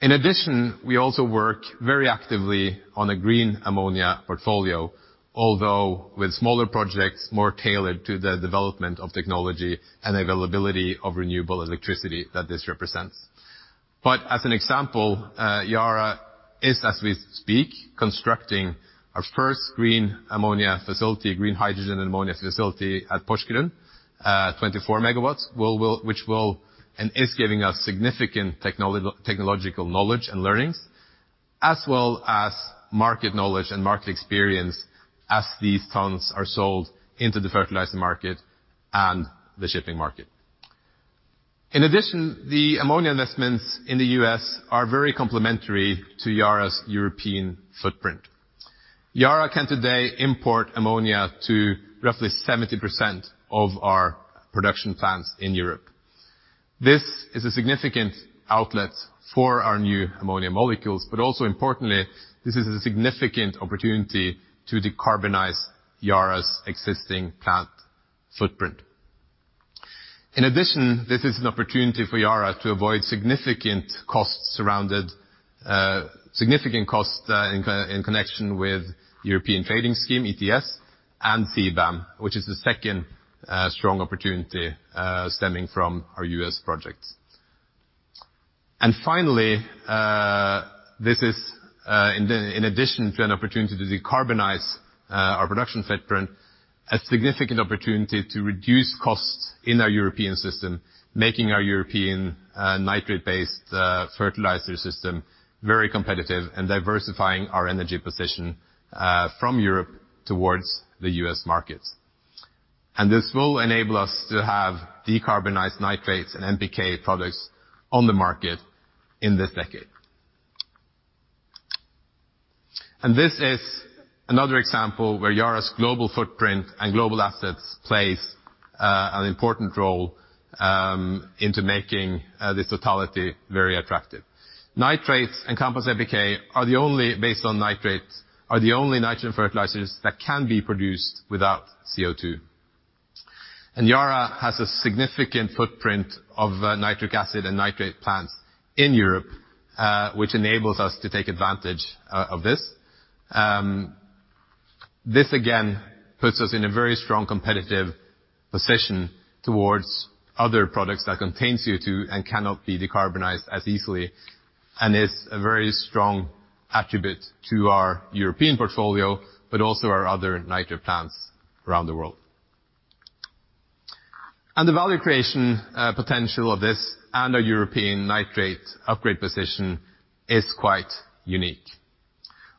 In addition, we also work very actively on a green ammonia portfolio, although with smaller projects, more tailored to the development of technology and availability of renewable electricity that this represents. As an example, Yara is, as we speak, constructing our first green ammonia facility, green hydrogen and ammonia facility at Porsgrunn. 24 megawatts, which will, and is giving us significant technological knowledge and learnings, as well as market knowledge and market experience as these tons are sold into the fertilizer market and the shipping market. In addition, the ammonia investments in the US are very complementary to Yara's European footprint. Yara can today import ammonia to roughly 70% of our production plants in Europe. This is a significant outlet for our new ammonia molecules, but also importantly, this is a significant opportunity to decarbonize Yara's existing plant footprint. In addition, this is an opportunity for Yara to avoid significant costs surrounded. significant costs in connection with EU Emissions Trading System, ETS, and CBAM, which is the second strong opportunity stemming from our US projects. Finally, this is in addition to an opportunity to decarbonize our production footprint, a significant opportunity to reduce costs in our European system, making our European nitrate-based fertilizer system very competitive and diversifying our energy position from Europe towards the US markets. This will enable us to have decarbonized nitrates and NPK products on the market in this decade. This is another example where Yara's global footprint and global assets plays an important role into making this totality very attractive. Nitrates and compost NPK are the only, based on nitrates, are the only nitrogen fertilizers that can be produced without CO2. Yara has a significant footprint of nitric acid and nitrate plants in Europe, which enables us to take advantage of this. This again, puts us in a very strong competitive position towards other products that contain CO2 and cannot be decarbonized as easily, and is a very strong attribute to our European portfolio, but also our other nitrate plants around the world. The value creation potential of this and our European nitrate upgrade position is quite unique.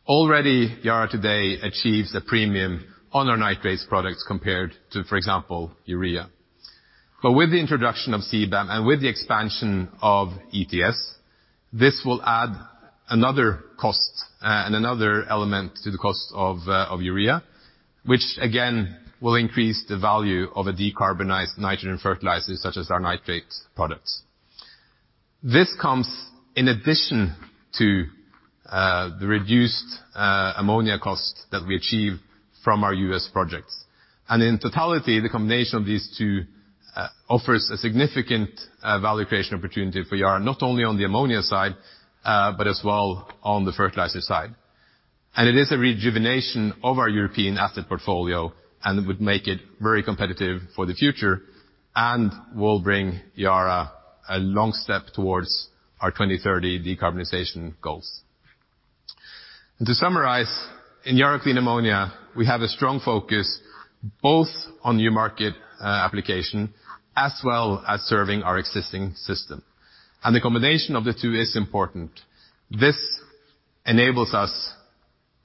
Already, Yara today achieves a premium on our nitrates products compared to, for example, urea. With the introduction of CBAM and with the expansion of ETS, this will add another cost and another element to the cost of urea, which again, will increase the value of a decarbonized nitrogen fertilizers, such as our nitrate products. This comes in addition to the reduced ammonia cost that we achieve from our US projects. In totality, the combination of these two offers a significant value creation opportunity for Yara, not only on the ammonia side, but as well on the fertilizer side. It is a rejuvenation of our European asset portfolio. It would make it very competitive for the future and will bring Yara a long step towards our 2030 decarbonization goals. To summarize, in Yara Clean Ammonia, we have a strong focus both on new market application, as well as serving our existing system. The combination of the two is important. This enables us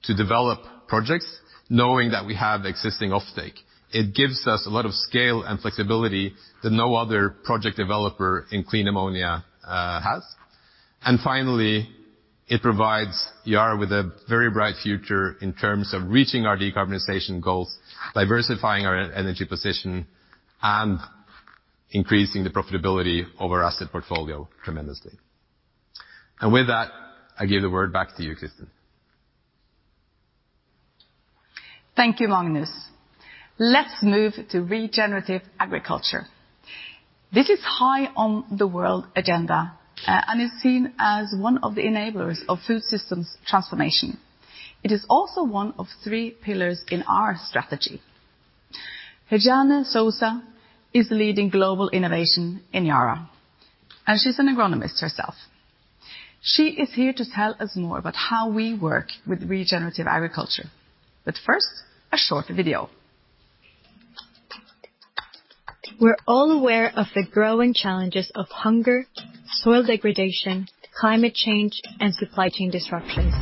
to develop projects knowing that we have existing offtake. It gives us a lot of scale and flexibility that no other project developer in clean ammonia has. Finally, it provides Yara with a very bright future in terms of reaching our decarbonization goals, diversifying our energy position, increasing the profitability of our asset portfolio tremendously. With that, I give the word back to you, Kristin. Thank you, Magnus. Let's move to regenerative agriculture. This is high on the world agenda, and is seen as one of the enablers of food systems transformation. It is also one of three pillars in our strategy. Rejane Souza is leading global innovation in Yara, and she's an agronomist herself. She is here to tell us more about how we work with regenerative agriculture, but first, a short video. We're all aware of the growing challenges of hunger, soil degradation, climate change, and supply chain disruptions.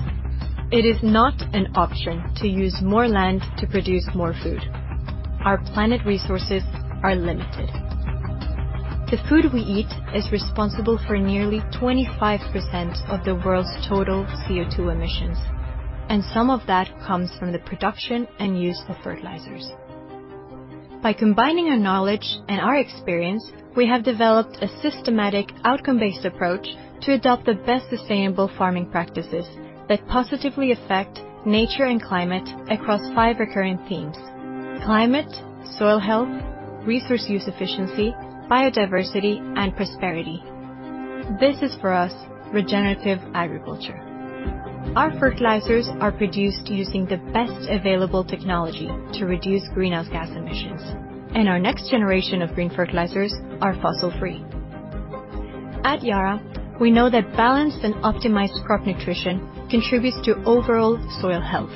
It is not an option to use more land to produce more food. Our planet resources are limited. The food we eat is responsible for nearly 25% of the world's total CO2 emissions, some of that comes from the production and use of fertilizers. By combining our knowledge and our experience, we have developed a systematic outcome-based approach to adopt the best sustainable farming practices that positively affect nature and climate across 5 recurring themes: climate, soil health, resource use efficiency, biodiversity, and prosperity. This is, for us, regenerative agriculture. Our fertilizers are produced using the best available technology to reduce greenhouse gas emissions, our next generation of green fertilizers are fossil-free. At Yara, we know that balanced and optimized crop nutrition contributes to overall soil health.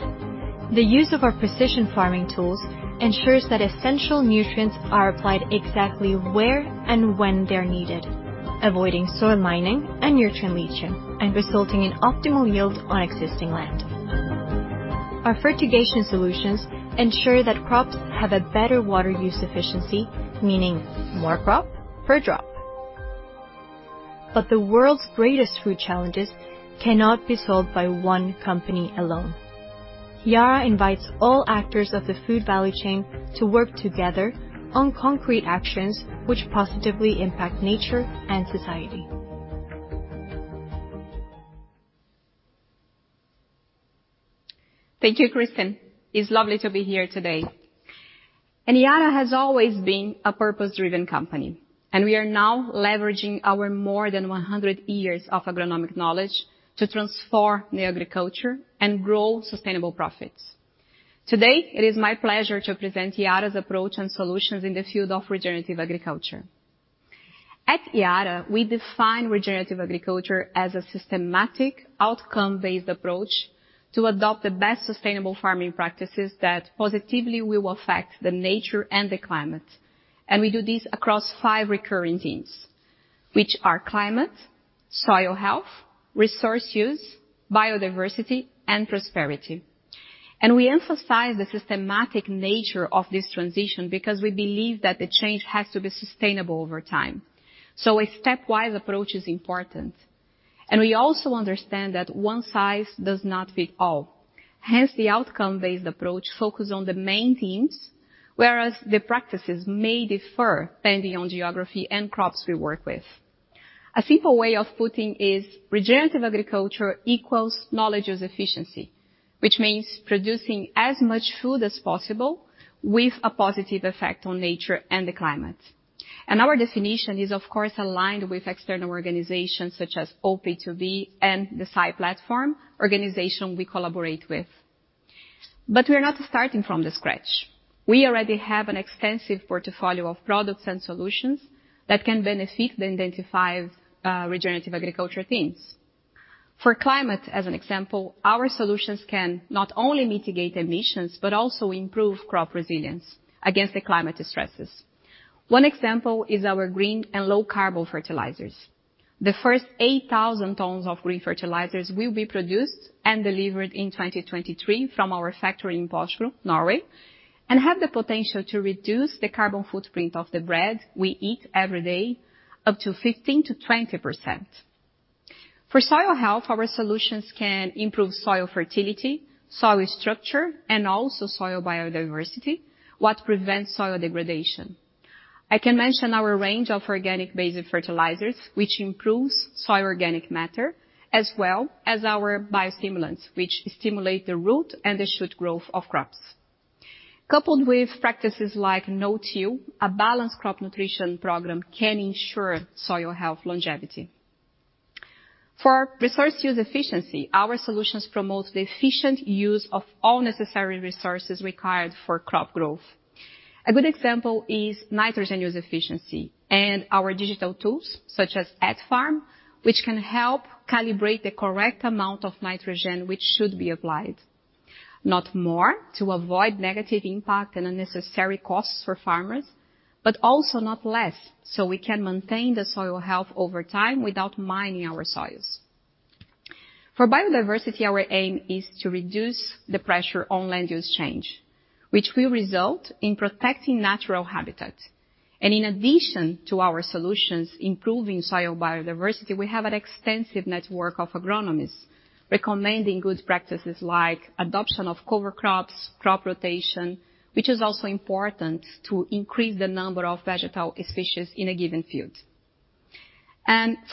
The use of our precision farming tools ensures that essential nutrients are applied exactly where and when they're needed, avoiding soil mining and nutrient leaching, and resulting in optimal yield on existing land. Our fertigation solutions ensure that crops have a better water use efficiency, meaning more crop per drop. The world's greatest food challenges cannot be solved by one company alone. Yara invites all actors of the food value chain to work together on concrete actions, which positively impact nature and society. Thank you, Kristin. It's lovely to be here today. Yara has always been a purpose-driven company, and we are now leveraging our more than 100 years of agronomic knowledge to transform the agriculture and grow sustainable profits. Today, it is my pleasure to present Yara's approach and solutions in the field of regenerative agriculture. At Yara, we define regenerative agriculture as a systematic, outcome-based approach to adopt the best sustainable farming practices that positively will affect the nature and the climate. We do this across five recurring themes, which are climate, soil health, resource use, biodiversity, and prosperity. We emphasize the systematic nature of this transition because we believe that the change has to be sustainable over time, so a stepwise approach is important. We also understand that one size does not fit all, hence, the outcome-based approach focus on the main themes, whereas the practices may differ depending on geography and crops we work with. A simple way of putting is regenerative agriculture equals knowledge as efficiency, which means producing as much food as possible with a positive effect on nature and the climate. Our definition is, of course, aligned with external organizations such as OP2B and the SAI Platform, organization we collaborate with. We are not starting from the scratch. We already have an extensive portfolio of products and solutions that can benefit the identified regenerative agriculture themes. For climate, as an example, our solutions can not only mitigate emissions, but also improve crop resilience against the climate stresses. One example is our green and low carbon fertilizers. The first 8,000 tons of green fertilizers will be produced and delivered in 2023 from our factory in Porsgrunn, Norway, and have the potential to reduce the carbon footprint of the bread we eat every day up to 15%-20%. For soil health, our solutions can improve soil fertility, soil structure, and also soil biodiversity, what prevents soil degradation. I can mention our range of organic-based fertilizers, which improves soil organic matter, as well as our biostimulants, which stimulate the root and the shoot growth of crops. Coupled with practices like no-till, a balanced crop nutrition program can ensure soil health longevity. For resource use efficiency, our solutions promote the efficient use of all necessary resources required for crop growth. A good example is nitrogen use efficiency and our digital tools, such as AtFarm, which can help calibrate the correct amount of nitrogen, which should be applied. Not more, to avoid negative impact and unnecessary costs for farmers. Also not less, so we can maintain the soil health over time without mining our soils. For biodiversity, our aim is to reduce the pressure on land use change, which will result in protecting natural habitat. In addition to our solutions improving soil biodiversity, we have an extensive network of agronomists recommending good practices like adoption of cover crops, crop rotation, which is also important to increase the number of vegetal species in a given field.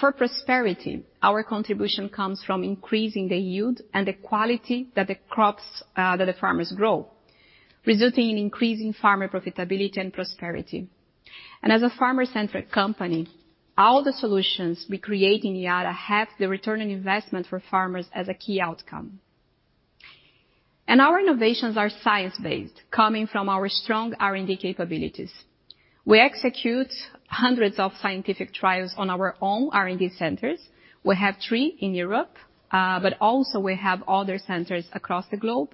For prosperity, our contribution comes from increasing the yield and the quality that the crops that the farmers grow, resulting in increasing farmer profitability and prosperity. As a farmer-centric company, all the solutions we create in Yara have the return on investment for farmers as a key outcome. Our innovations are science-based, coming from our strong R&D capabilities. We execute hundreds of scientific trials on our own R&D centers. We have 3 in Europe, but also we have other centers across the globe,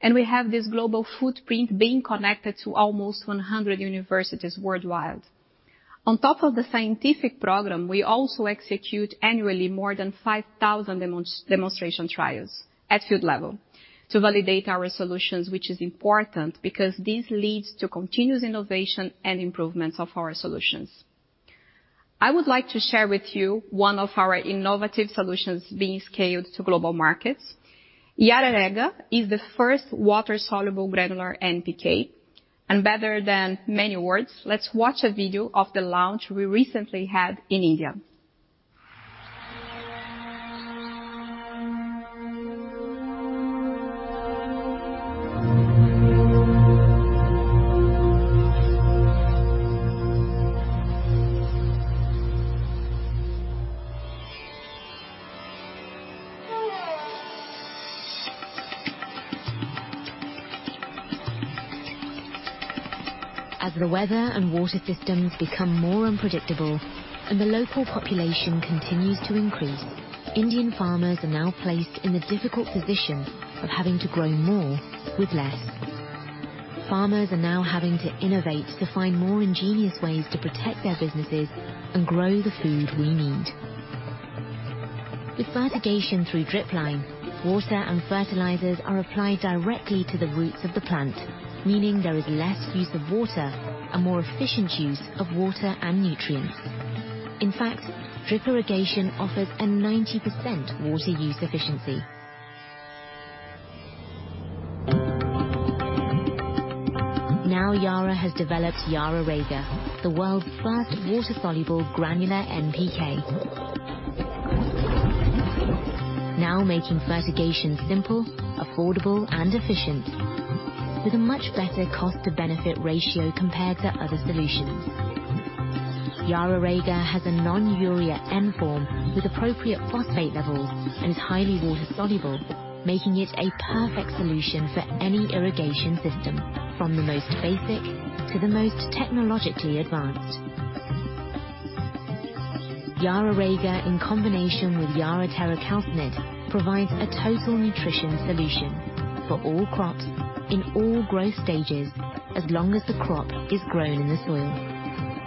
and we have this global footprint being connected to almost 100 universities worldwide. On top of the scientific program, we also execute annually more than 5,000 demonstration trials at field level to validate our solutions, which is important because this leads to continuous innovation and improvements of our solutions. I would like to share with you one of our innovative solutions being scaled to global markets. YaraRega is the first water-soluble granular NPK, and better than many words, let's watch a video of the launch we recently had in India. As the weather and water systems become more unpredictable, and the local population continues to increase, Indian farmers are now placed in the difficult position of having to grow more with less. Farmers are now having to innovate to find more ingenious ways to protect their businesses and grow the food we need. With fertigation through drip line, water and fertilizers are applied directly to the roots of the plant, meaning there is less use of water and more efficient use of water and nutrients. In fact, drip irrigation offers a 90% water use efficiency. Now, Yara has developed YaraRega, the world's first water-soluble granular NPK. Now making fertigation simple, affordable, and efficient, with a much better cost to benefit ratio compared to other solutions. YaraRega has a non-urea N form with appropriate phosphate levels and is highly water soluble, making it a perfect solution for any irrigation system, from the most basic to the most technologically advanced. YaraRega, in combination with YaraTera Calcinit, provides a total nutrition solution for all crops in all growth stages, as long as the crop is grown in the soil.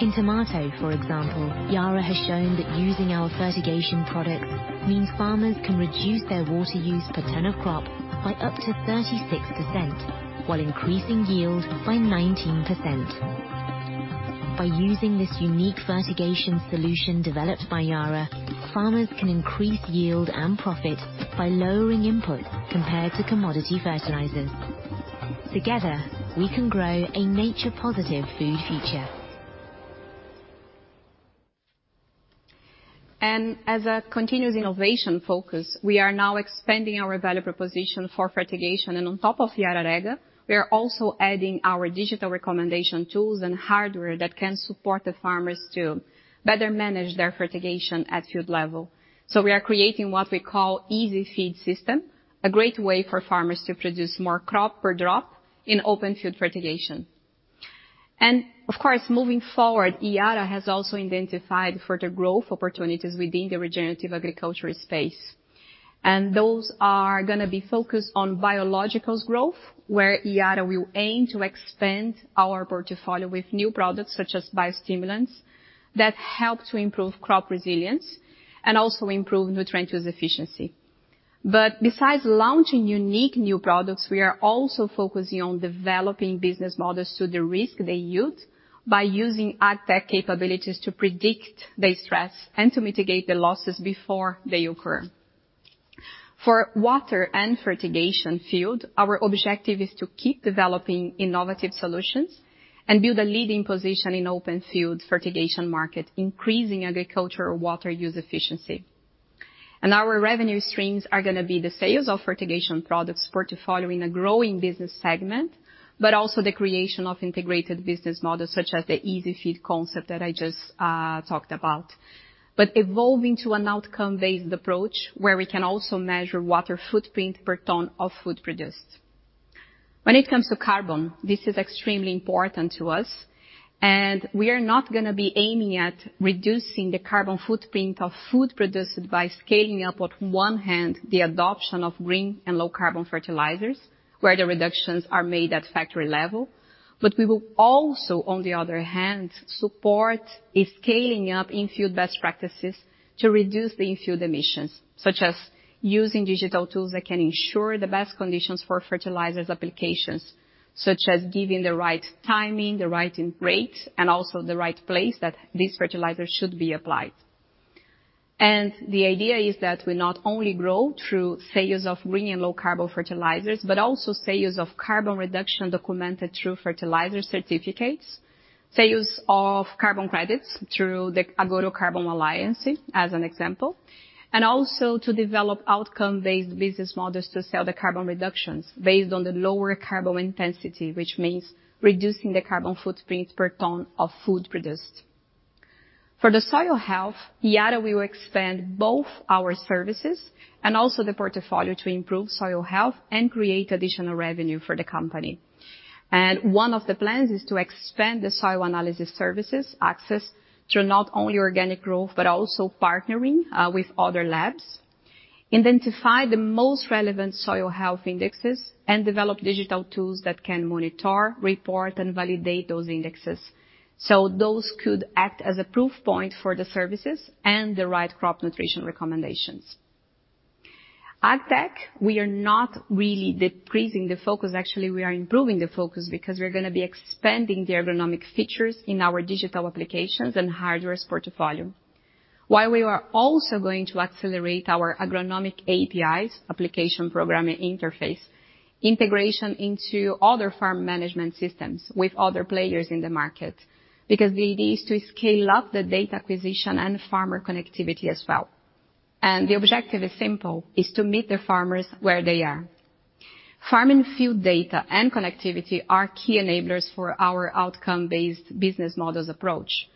In tomato, for example, Yara has shown that using our fertigation products means farmers can reduce their water use per ton of crop by up to 36%, while increasing yield by 19%. By using this unique fertigation solution developed by Yara, farmers can increase yield and profit by lowering inputs compared to commodity fertilizers. Together, we can grow a nature positive food future. As a continuous innovation focus, we are now expanding our value proposition for fertigation. On top of YaraRega, we are also adding our digital recommendation tools and hardware that can support the farmers to better manage their fertigation at field level. We are creating what we call easy feed system, a great way for farmers to produce more crop per drop in open field fertigation. Of course, moving forward, Yara has also identified further growth opportunities within the regenerative agriculture space, and those are gonna be focused on biologicals growth, where Yara will aim to expand our portfolio with new products such as biostimulants, that help to improve crop resilience and also improve nutrient use efficiency. Besides launching unique new products, we are also focusing on developing business models to de-risk the youth, by using agtech capabilities to predict the stress and to mitigate the losses before they occur. For water and fertigation field, our objective is to keep developing innovative solutions and build a leading position in open field fertigation market, increasing agricultural water use efficiency. Our revenue streams are gonna be the sales of fertigation products portfolio in a growing business segment, but also the creation of integrated business models, such as the easy feed concept that I just talked about. Evolving to an outcome-based approach, where we can also measure water footprint per ton of food produced. When it comes to carbon, this is extremely important to us. We are not gonna be aiming at reducing the carbon footprint of food produced by scaling up, on one hand, the adoption of green and low carbon fertilizers, where the reductions are made at factory level. We will also, on the other hand, support a scaling up in-field best practices to reduce the in-field emissions, such as using digital tools that can ensure the best conditions for fertilizers applications, such as giving the right timing, the right rates, and also the right place that this fertilizer should be applied. The idea is that we not only grow through sales of green and low-carbon fertilizers, but also sales of carbon reduction documented through fertilizer certificates, sales of carbon credits through the Agoro Carbon Alliance as an example, and also to develop outcome-based business models to sell the carbon reductions based on the lower carbon intensity, which means reducing the carbon footprint per ton of food produced. For the soil health, Yara will expand both our services and also the portfolio to improve soil health and create additional revenue for the company. One of the plans is to expand the soil analysis services access through not only organic growth, but also partnering with other labs, identify the most relevant soil health indexes, and develop digital tools that can monitor, report, and validate those indexes. Those could act as a proof point for the services and the right crop nutrition recommendations. AgTech, we are not really decreasing the focus. Actually, we are improving the focus, because we're gonna be expanding the agronomic features in our digital applications and hardwares portfolio. While we are also going to accelerate our agronomic APIs, application programming interface, integration into other farm management systems with other players in the market, because the idea is to scale up the data acquisition and farmer connectivity as well. The objective is simple, is to meet the farmers where they are. Farm and field data and connectivity are key enablers for our outcome-based business models approach,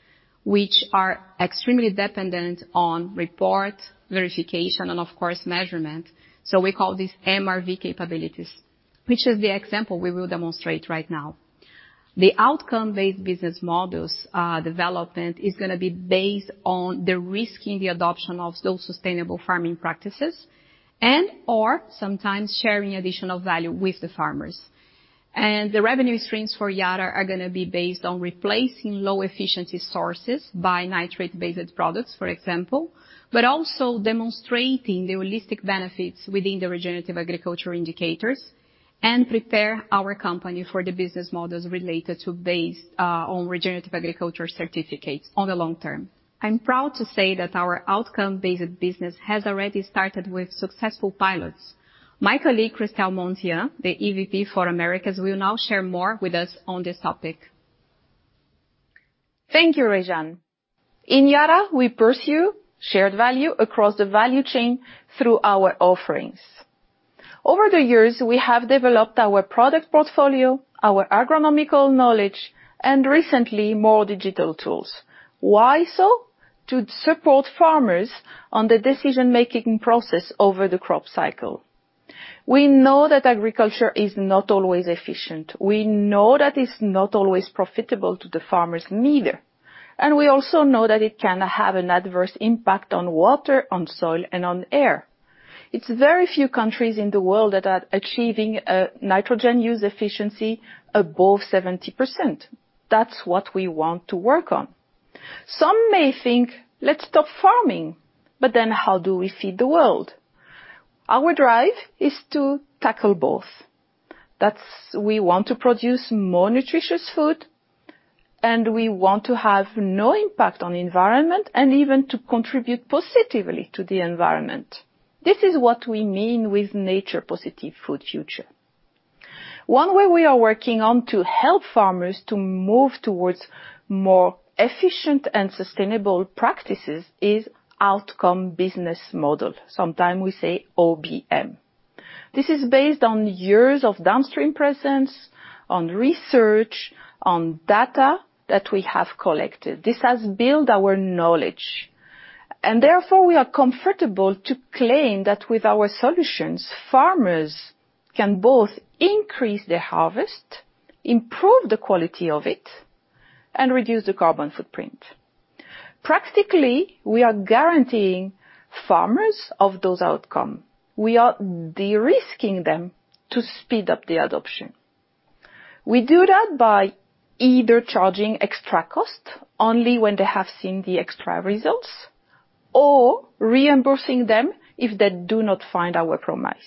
which are extremely dependent on report, verification, and of course, measurement. We call this MRV capabilities, which is the example we will demonstrate right now. The outcome-based business models, development is gonna be based on the risk in the adoption of those sustainable farming practices, and/or sometimes sharing additional value with the farmers. The revenue streams for Yara are gonna be based on replacing low-efficiency sources by nitrate-based products, for example, but also demonstrating the holistic benefits within the regenerative agriculture indicators, and prepare our company for the business models related to based on regenerative agriculture certificates on the long term. I'm proud to say that our outcome-based business has already started with successful pilots. My colleague, Chrystel Monthean, the EVP for Americas, will now share more with us on this topic. Thank you, Rejane. In Yara, we pursue shared value across the value chain through our offerings. Over the years, we have developed our product portfolio, our agronomical knowledge, and recently, more digital tools. Why so? To support farmers on the decision-making process over the crop cycle. We know that agriculture is not always efficient. We know that it's not always profitable to the farmers neither, and we also know that it can have an adverse impact on water, on soil, and on air. It's very few countries in the world that are achieving nitrogen use efficiency above 70%. That's what we want to work on. Some may think, "Let's stop farming." How do we feed the world? Our drive is to tackle both. We want to produce more nutritious food, and we want to have no impact on the environment, and even to contribute positively to the environment. This is what we mean with nature positive food future. One way we are working on to help farmers to move towards more efficient and sustainable practices is outcome business model. Sometimes we say OBM. This is based on years of downstream presence, on research, on data that we have collected. This has built our knowledge, and therefore, we are comfortable to claim that with our solutions, farmers can both increase their harvest, improve the quality of it, and reduce the carbon footprint. Practically, we are guaranteeing farmers of those outcome. We are de-risking them to speed up the adoption. We do that by either charging extra cost only when they have seen the extra results, or reimbursing them if they do not find our promise.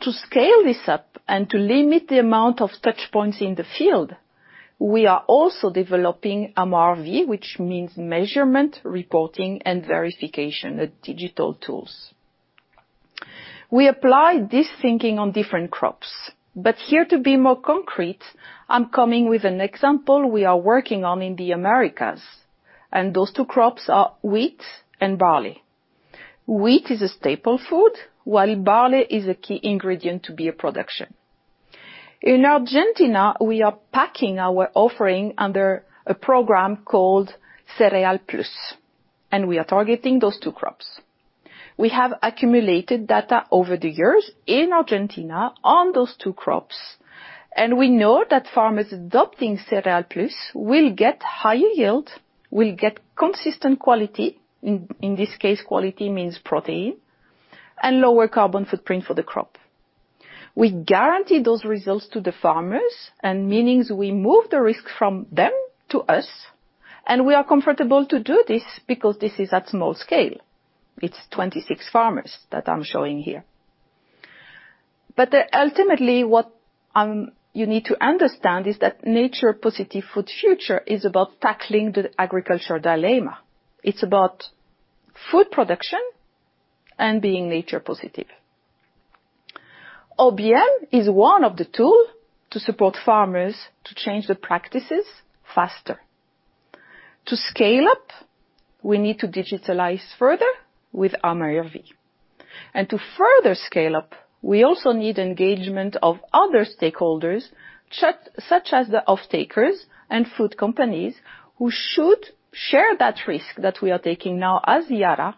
To scale this up and to limit the amount of touch points in the field, we are also developing MRV, which means measurement, reporting, and verification, the digital tools. We apply this thinking on different crops, but here, to be more concrete, I'm coming with an example we are working on in the Americas, and those two crops are wheat and barley. Wheat is a staple food, while barley is a key ingredient to beer production. In Argentina, we are packing our offering under a program called Cereal+, and we are targeting those two crops. We have accumulated data over the years in Argentina on those two crops, and we know that farmers adopting Cereal+ will get higher yield, will get consistent quality, in this case, quality means protein, and lower carbon footprint for the crop. We guarantee those results to the farmers, and meanings we move the risk from them to us, and we are comfortable to do this because this is at small scale. It's 26 farmers that I'm showing here. Ultimately, what you need to understand is that nature positive food future is about tackling the agriculture dilemma. It's about food production and being nature positive. OBM is one of the tool to support farmers to change the practices faster. To scale up, we need to digitalize further with our MRV. To further scale up, we also need engagement of other stakeholders, such as the off-takers and food companies, who should share that risk that we are taking now as Yara,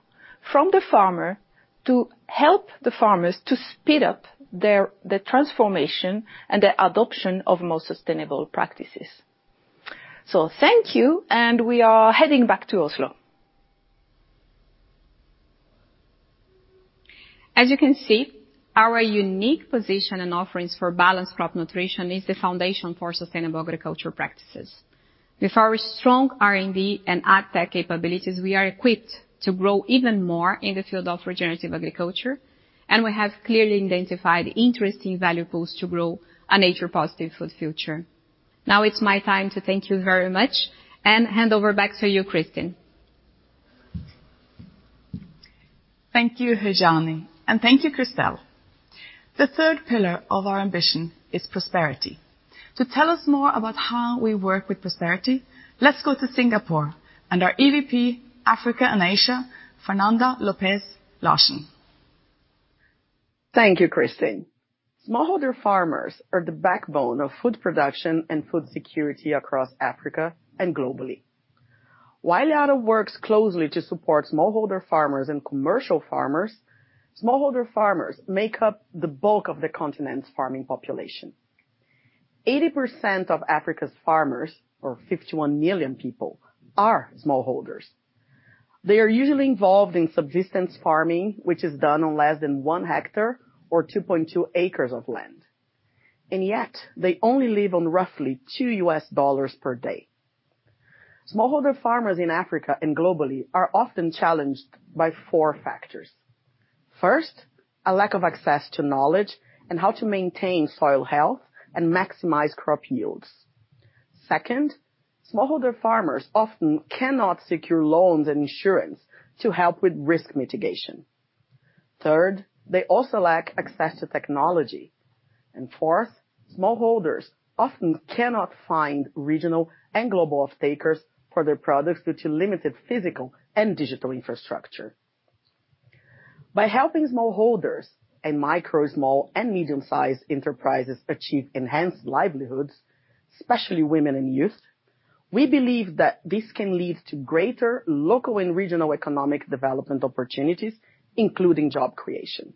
from the farmer, to help the farmers to speed up the transformation and the adoption of more sustainable practices. Thank you, and we are heading back to Oslo. As you can see, our unique position and offerings for balanced crop nutrition is the foundation for sustainable agricultural practices. With our strong R&D and AgTech capabilities, we are equipped to grow even more in the field of regenerative agriculture, and we have clearly identified interesting value pools to grow a nature positive food future. It's my time to thank you very much and hand over back to you, Kristin. Thank you, Rejane, and thank you, Christelle. The third pillar of our ambition is prosperity. To tell us more about how we work with prosperity, let's go to Singapore and our EVP, Africa and Asia, Fernanda Lopes Larsen. Thank you, Kristin. Smallholder farmers are the backbone of food production and food security across Africa and globally. While Yara works closely to support smallholder farmers and commercial farmers, smallholder farmers make up the bulk of the continent's farming population. 80% of Africa's farmers, or 51 million people, are smallholders. They are usually involved in subsistence farming, which is done on less than 1 hectare or 2.2 acres of land. Yet, they only live on roughly $2 per day. Smallholder farmers in Africa and globally are often challenged by four factors: First, a lack of access to knowledge and how to maintain soil health and maximize crop yields. Second, smallholder farmers often cannot secure loans and insurance to help with risk mitigation. Third, they also lack access to technology. Fourth, smallholders often cannot find regional and global off-takers for their products due to limited physical and digital infrastructure. By helping smallholders and micro, small, and medium-sized enterprises achieve enhanced livelihoods, especially women and youth, we believe that this can lead to greater local and regional economic development opportunities, including job creation.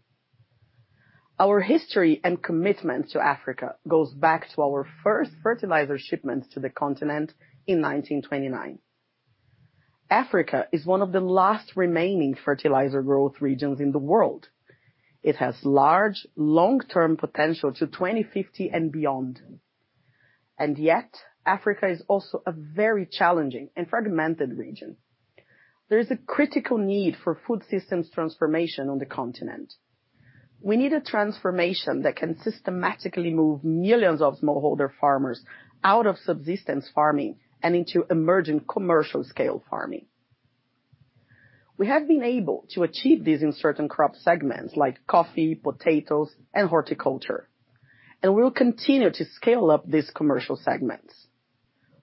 Our history and commitment to Africa goes back to our first fertilizer shipment to the continent in 1929. Africa is one of the last remaining fertilizer growth regions in the world. It has large, long-term potential to 2050 and beyond. Yet, Africa is also a very challenging and fragmented region. There is a critical need for food systems transformation on the continent. We need a transformation that can systematically move millions of smallholder farmers out of subsistence farming and into emerging commercial scale farming. We have been able to achieve this in certain crop segments, like coffee, potatoes, and horticulture, and we will continue to scale up these commercial segments.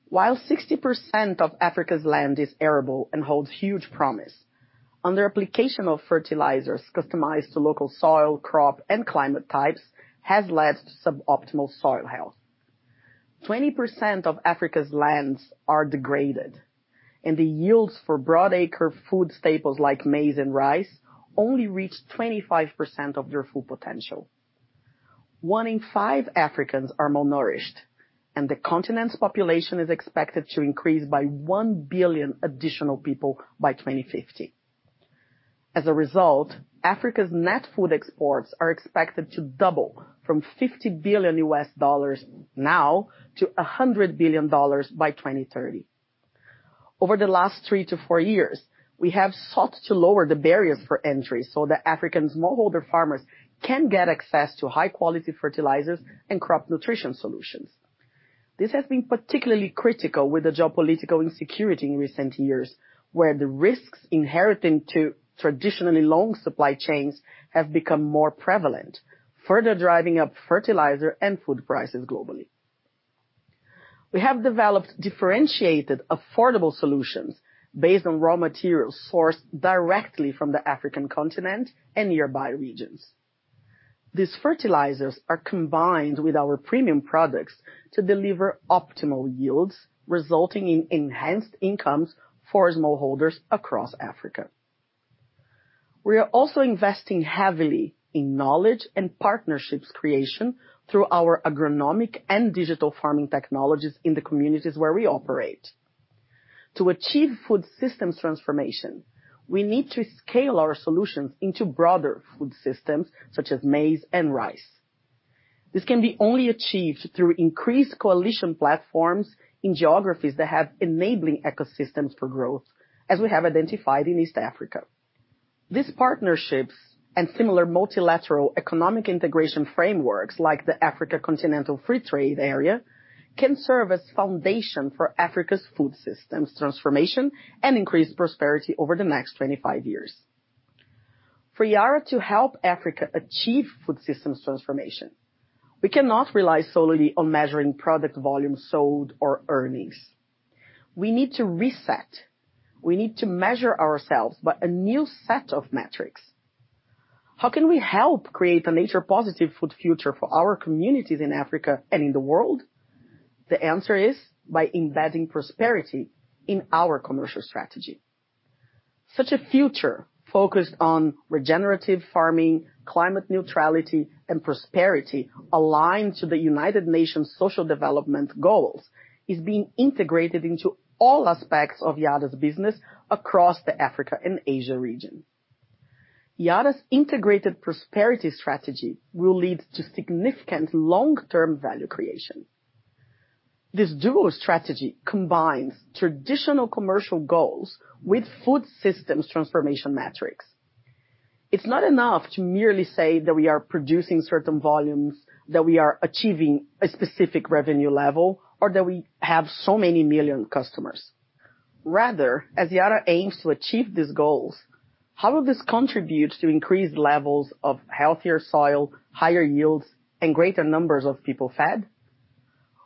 While 60% of Africa's land is arable and holds huge promise, under application of fertilizers customized to local soil, crop, and climate types, has led to suboptimal soil health. 20% of Africa's lands are degraded, and the yields for broad acre food staples like maize and rice, only reach 25% of their full potential. One in five Africans are malnourished, and the continent's population is expected to increase by 1 billion additional people by 2050. As a result, Africa's net food exports are expected to double from $50 billion now, to $100 billion by 2030. Over the last three to four years, we have sought to lower the barriers for entry so that African smallholder farmers can get access to high-quality fertilizers and crop nutrition solutions. This has been particularly critical with the geopolitical insecurity in recent years, where the risks inherent to traditionally long supply chains have become more prevalent, further driving up fertilizer and food prices globally. We have developed differentiated, affordable solutions based on raw materials sourced directly from the African continent and nearby regions. These fertilizers are combined with our premium products to deliver optimal yields, resulting in enhanced incomes for smallholders across Africa. We are also investing heavily in knowledge and partnerships creation through our agronomic and digital farming technologies in the communities where we operate. To achieve food systems transformation, we need to scale our solutions into broader food systems, such as maize and rice. This can be only achieved through increased coalition platforms in geographies that have enabling ecosystems for growth, as we have identified in East Africa. These partnerships and similar multilateral economic integration frameworks, like the African Continental Free Trade Area, can serve as foundation for Africa's food systems transformation and increase prosperity over the next 25 years. For Yara to help Africa achieve food systems transformation, we cannot rely solely on measuring product volume sold or earnings. We need to reset. We need to measure ourselves by a new set of metrics. How can we help create a nature positive food future for our communities in Africa and in the world? The answer is by embedding prosperity in our commercial strategy. Such a future focused on regenerative farming, climate neutrality, and prosperity aligned to the United Nations Sustainable Development Goals, is being integrated into all aspects of Yara's business across the Africa and Asia region. Yara's integrated prosperity strategy will lead to significant long-term value creation. This dual strategy combines traditional commercial goals with food systems transformation metrics. It's not enough to merely say that we are producing certain volumes, that we are achieving a specific revenue level, or that we have so many million customers. Rather, as Yara aims to achieve these goals, how will this contribute to increased levels of healthier soil, higher yields, and greater numbers of people fed?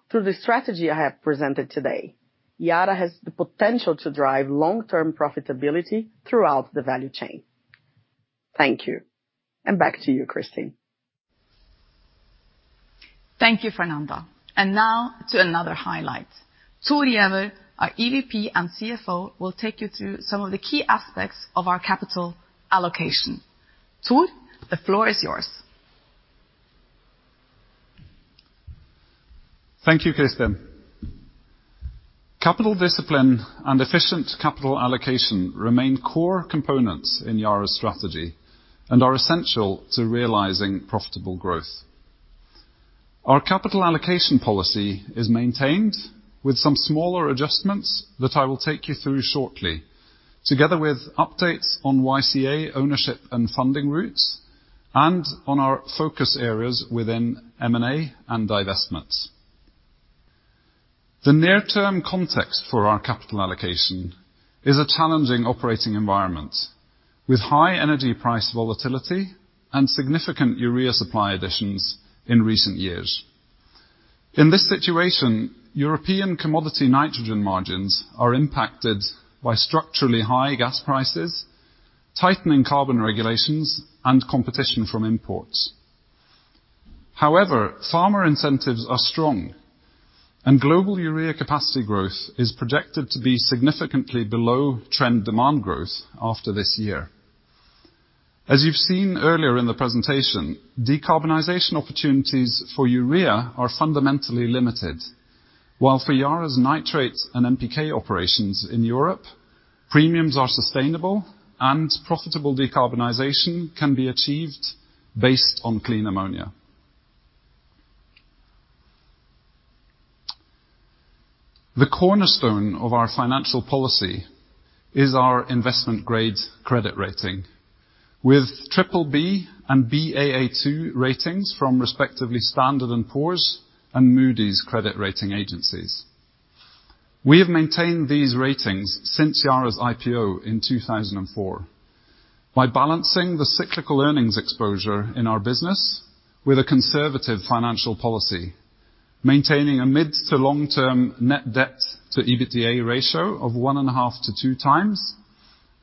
Through the strategy I have presented today, Yara has the potential to drive long-term profitability throughout the value chain. Thank you. Back to you, Kristine. Thank you, Fernanda. Now to another highlight. Thor Gjærum, our EVP and CFO, will take you through some of the key aspects of our capital allocation. Thor, the floor is yours. Thank you, Kristine. Capital discipline and efficient capital allocation remain core components in Yara's strategy, and are essential to realizing profitable growth. Our capital allocation policy is maintained with some smaller adjustments that I will take you through shortly, together with updates on YCA ownership and funding routes, and on our focus areas within M&A and divestments. The near-term context for our capital allocation is a challenging operating environment, with high energy price volatility and significant urea supply additions in recent years. In this situation, European commodity nitrogen margins are impacted by structurally high gas prices, tightening carbon regulations, and competition from imports. However, farmer incentives are strong, and global urea capacity growth is projected to be significantly below trend demand growth after this year. As you've seen earlier in the presentation, decarbonization opportunities for urea are fundamentally limited, while for Yara's nitrates and NPK operations in Europe, premiums are sustainable and profitable decarbonization can be achieved based on clean ammonia. The cornerstone of our financial policy is our investment grade credit rating, with BBB and Baa2 ratings from respectively S&P Global Ratings and Moody's credit rating agencies. We have maintained these ratings since Yara's IPO in 2004. By balancing the cyclical earnings exposure in our business with a conservative financial policy, maintaining a mid to long-term net debt to EBITDA ratio of 1.5-2x,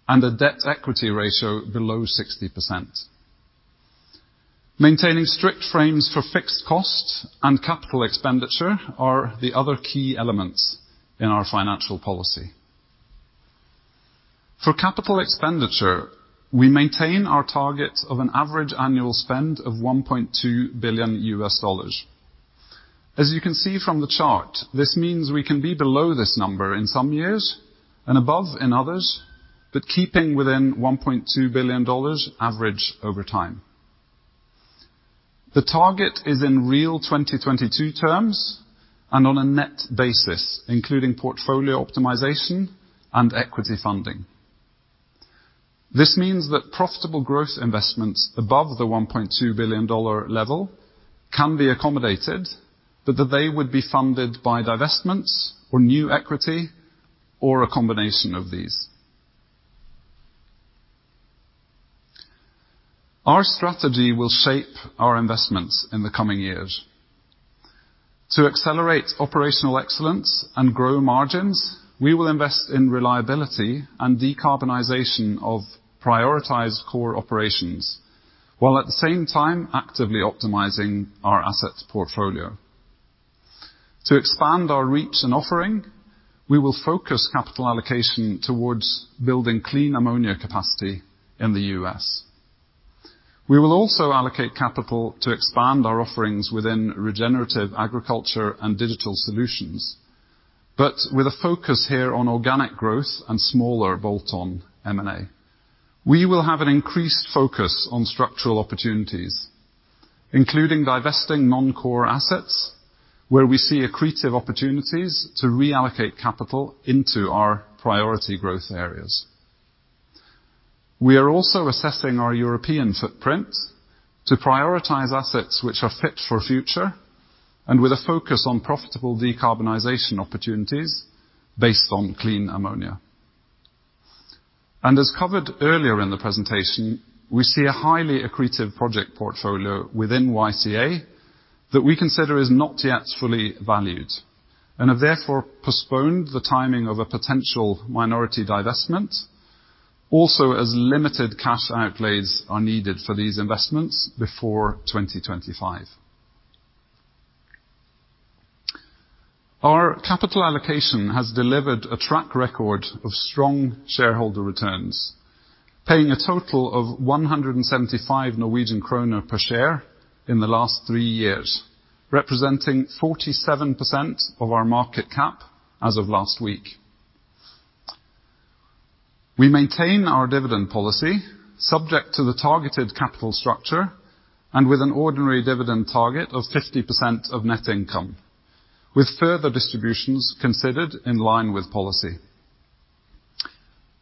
and a debt equity ratio below 60%. Maintaining strict frames for fixed costs and CapEx are the other key elements in our financial policy. For capital expenditure, we maintain our target of an average annual spend of $1.2 billion. As you can see from the chart, this means we can be below this number in some years and above in others, but keeping within $1.2 billion average over time. The target is in real 2022 terms and on a net basis, including portfolio optimization and equity funding. This means that profitable growth investments above the $1.2 billion level can be accommodated, but that they would be funded by divestments or new equity, or a combination of these. Our strategy will shape our investments in the coming years. To accelerate operational excellence and grow margins, we will invest in reliability and decarbonization of prioritized core operations, while at the same time actively optimizing our asset portfolio. To expand our reach and offering, we will focus capital allocation towards building clean ammonia capacity in the US We will also allocate capital to expand our offerings within regenerative agriculture and digital solutions, but with a focus here on organic growth and smaller bolt-on M&A. We will have an increased focus on structural opportunities, including divesting non-core assets, where we see accretive opportunities to reallocate capital into our priority growth areas. We are also assessing our European footprint to prioritize assets which are fit for future, and with a focus on profitable decarbonization opportunities based on clean ammonia. As covered earlier in the presentation, we see a highly accretive project portfolio within YCA that we consider is not yet fully valued, and have therefore postponed the timing of a potential minority divestment, also as limited cash outlays are needed for these investments before 2025. Our capital allocation has delivered a track record of strong shareholder returns, paying a total of 175 Norwegian kroner per share in the last three years, representing 47% of our market cap as of last week. We maintain our dividend policy, subject to the targeted capital structure, and with an ordinary dividend target of 50% of net income, with further distributions considered in line with policy.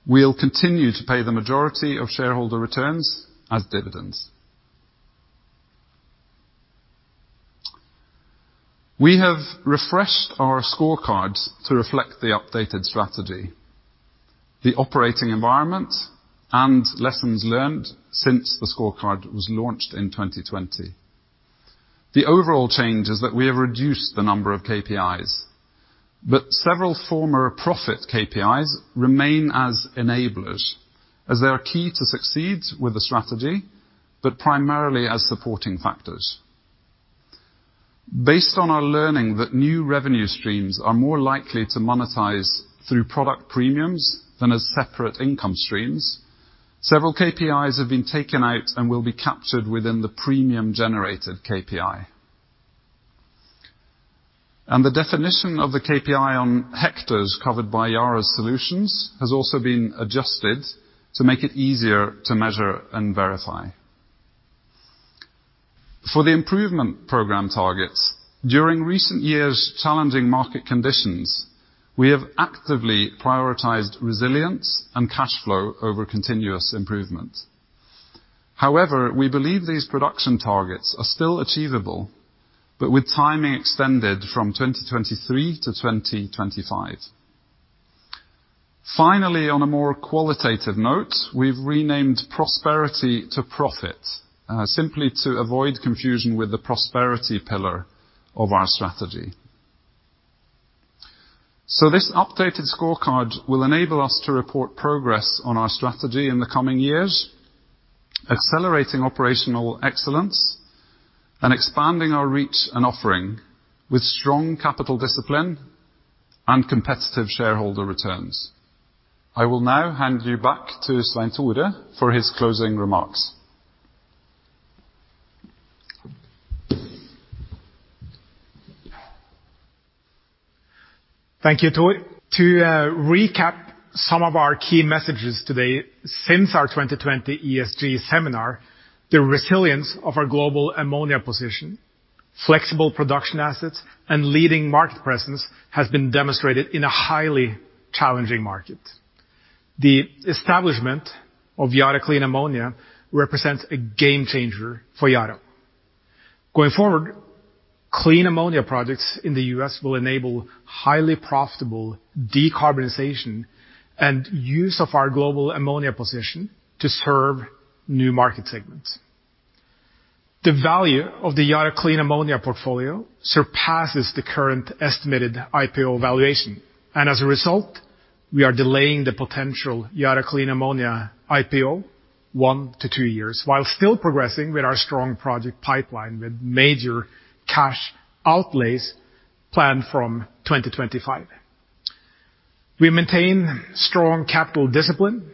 We'll continue to pay the majority of shareholder returns as dividends. We have refreshed our scorecards to reflect the updated strategy, the operating environment, and lessons learned since the scorecard was launched in 2020. The overall change is that we have reduced the number of KPIs, but several former profit KPIs remain as enablers, as they are key to succeed with the strategy, but primarily as supporting factors. Based on our learning that new revenue streams are more likely to monetize through product premiums than as separate income streams, several KPIs have been taken out and will be captured within the premium generated KPI. The definition of the KPI on hectares covered by Yara's solutions has also been adjusted to make it easier to measure and verify. For the improvement program targets, during recent years' challenging market conditions, we have actively prioritized resilience and cash flow over continuous improvement. However, we believe these production targets are still achievable, but with timing extended from 2023 to 2025. Finally, on a more qualitative note, we've renamed prosperity to profit, simply to avoid confusion with the prosperity pillar of our strategy. This updated scorecard will enable us to report progress on our strategy in the coming years, accelerating operational excellence, and expanding our reach and offering with strong capital discipline and competitive shareholder returns. I will now hand you back to Svein Tore for his closing remarks. Thank you, Thor. To recap some of our key messages today, since our 2020 ESG seminar, the resilience of our global ammonia position, flexible production assets, and leading market presence has been demonstrated in a highly challenging market. The establishment of Yara Clean Ammonia represents a game changer for Yara. Going forward, clean ammonia projects in the US will enable highly profitable decarbonization and use of our global ammonia position to serve new market segments. The value of the Yara Clean Ammonia portfolio surpasses the current estimated IPO valuation. As a result, we are delaying the potential Yara Clean Ammonia IPO 1-2 years, while still progressing with our strong project pipeline, with major cash outlays planned from 2025. We maintain strong capital discipline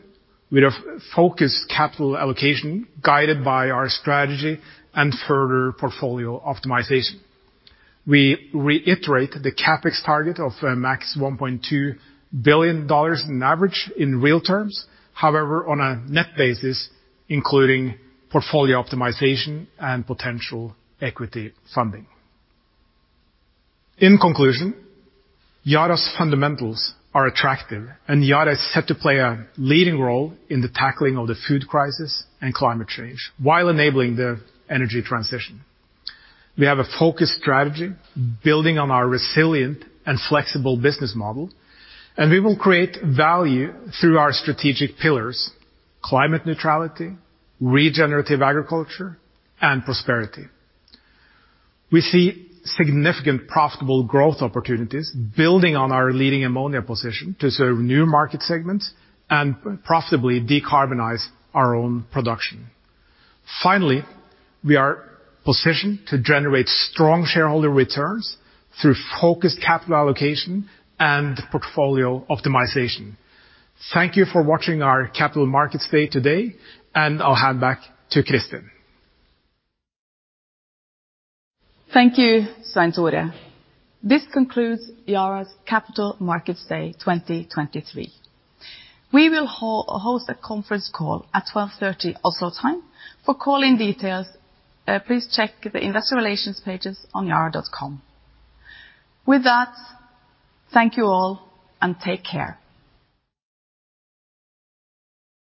with a focused capital allocation, guided by our strategy and further portfolio optimization. We reiterate the CapEx target of max $1.2 billion on average in real terms, however, on a net basis, including portfolio optimization and potential equity funding. In conclusion, Yara's fundamentals are attractive. Yara is set to play a leading role in the tackling of the food crisis and climate change, while enabling the energy transition. We have a focused strategy building on our resilient and flexible business model. We will create value through our strategic pillars: climate neutrality, regenerative agriculture, and prosperity. We see significant profitable growth opportunities building on our leading ammonia position to serve new market segments and profitably decarbonize our own production. Finally, we are positioned to generate strong shareholder returns through focused capital allocation and portfolio optimization. Thank you for watching our Capital Markets Day today. I'll hand back to Kristin. Thank you, Svein Tore. This concludes Yara's Capital Markets Day 2023. We will host a conference call at 12:30PM Oslo time. For call-in details, please check the investor relations pages on yara.com. With that, thank you all, and take care.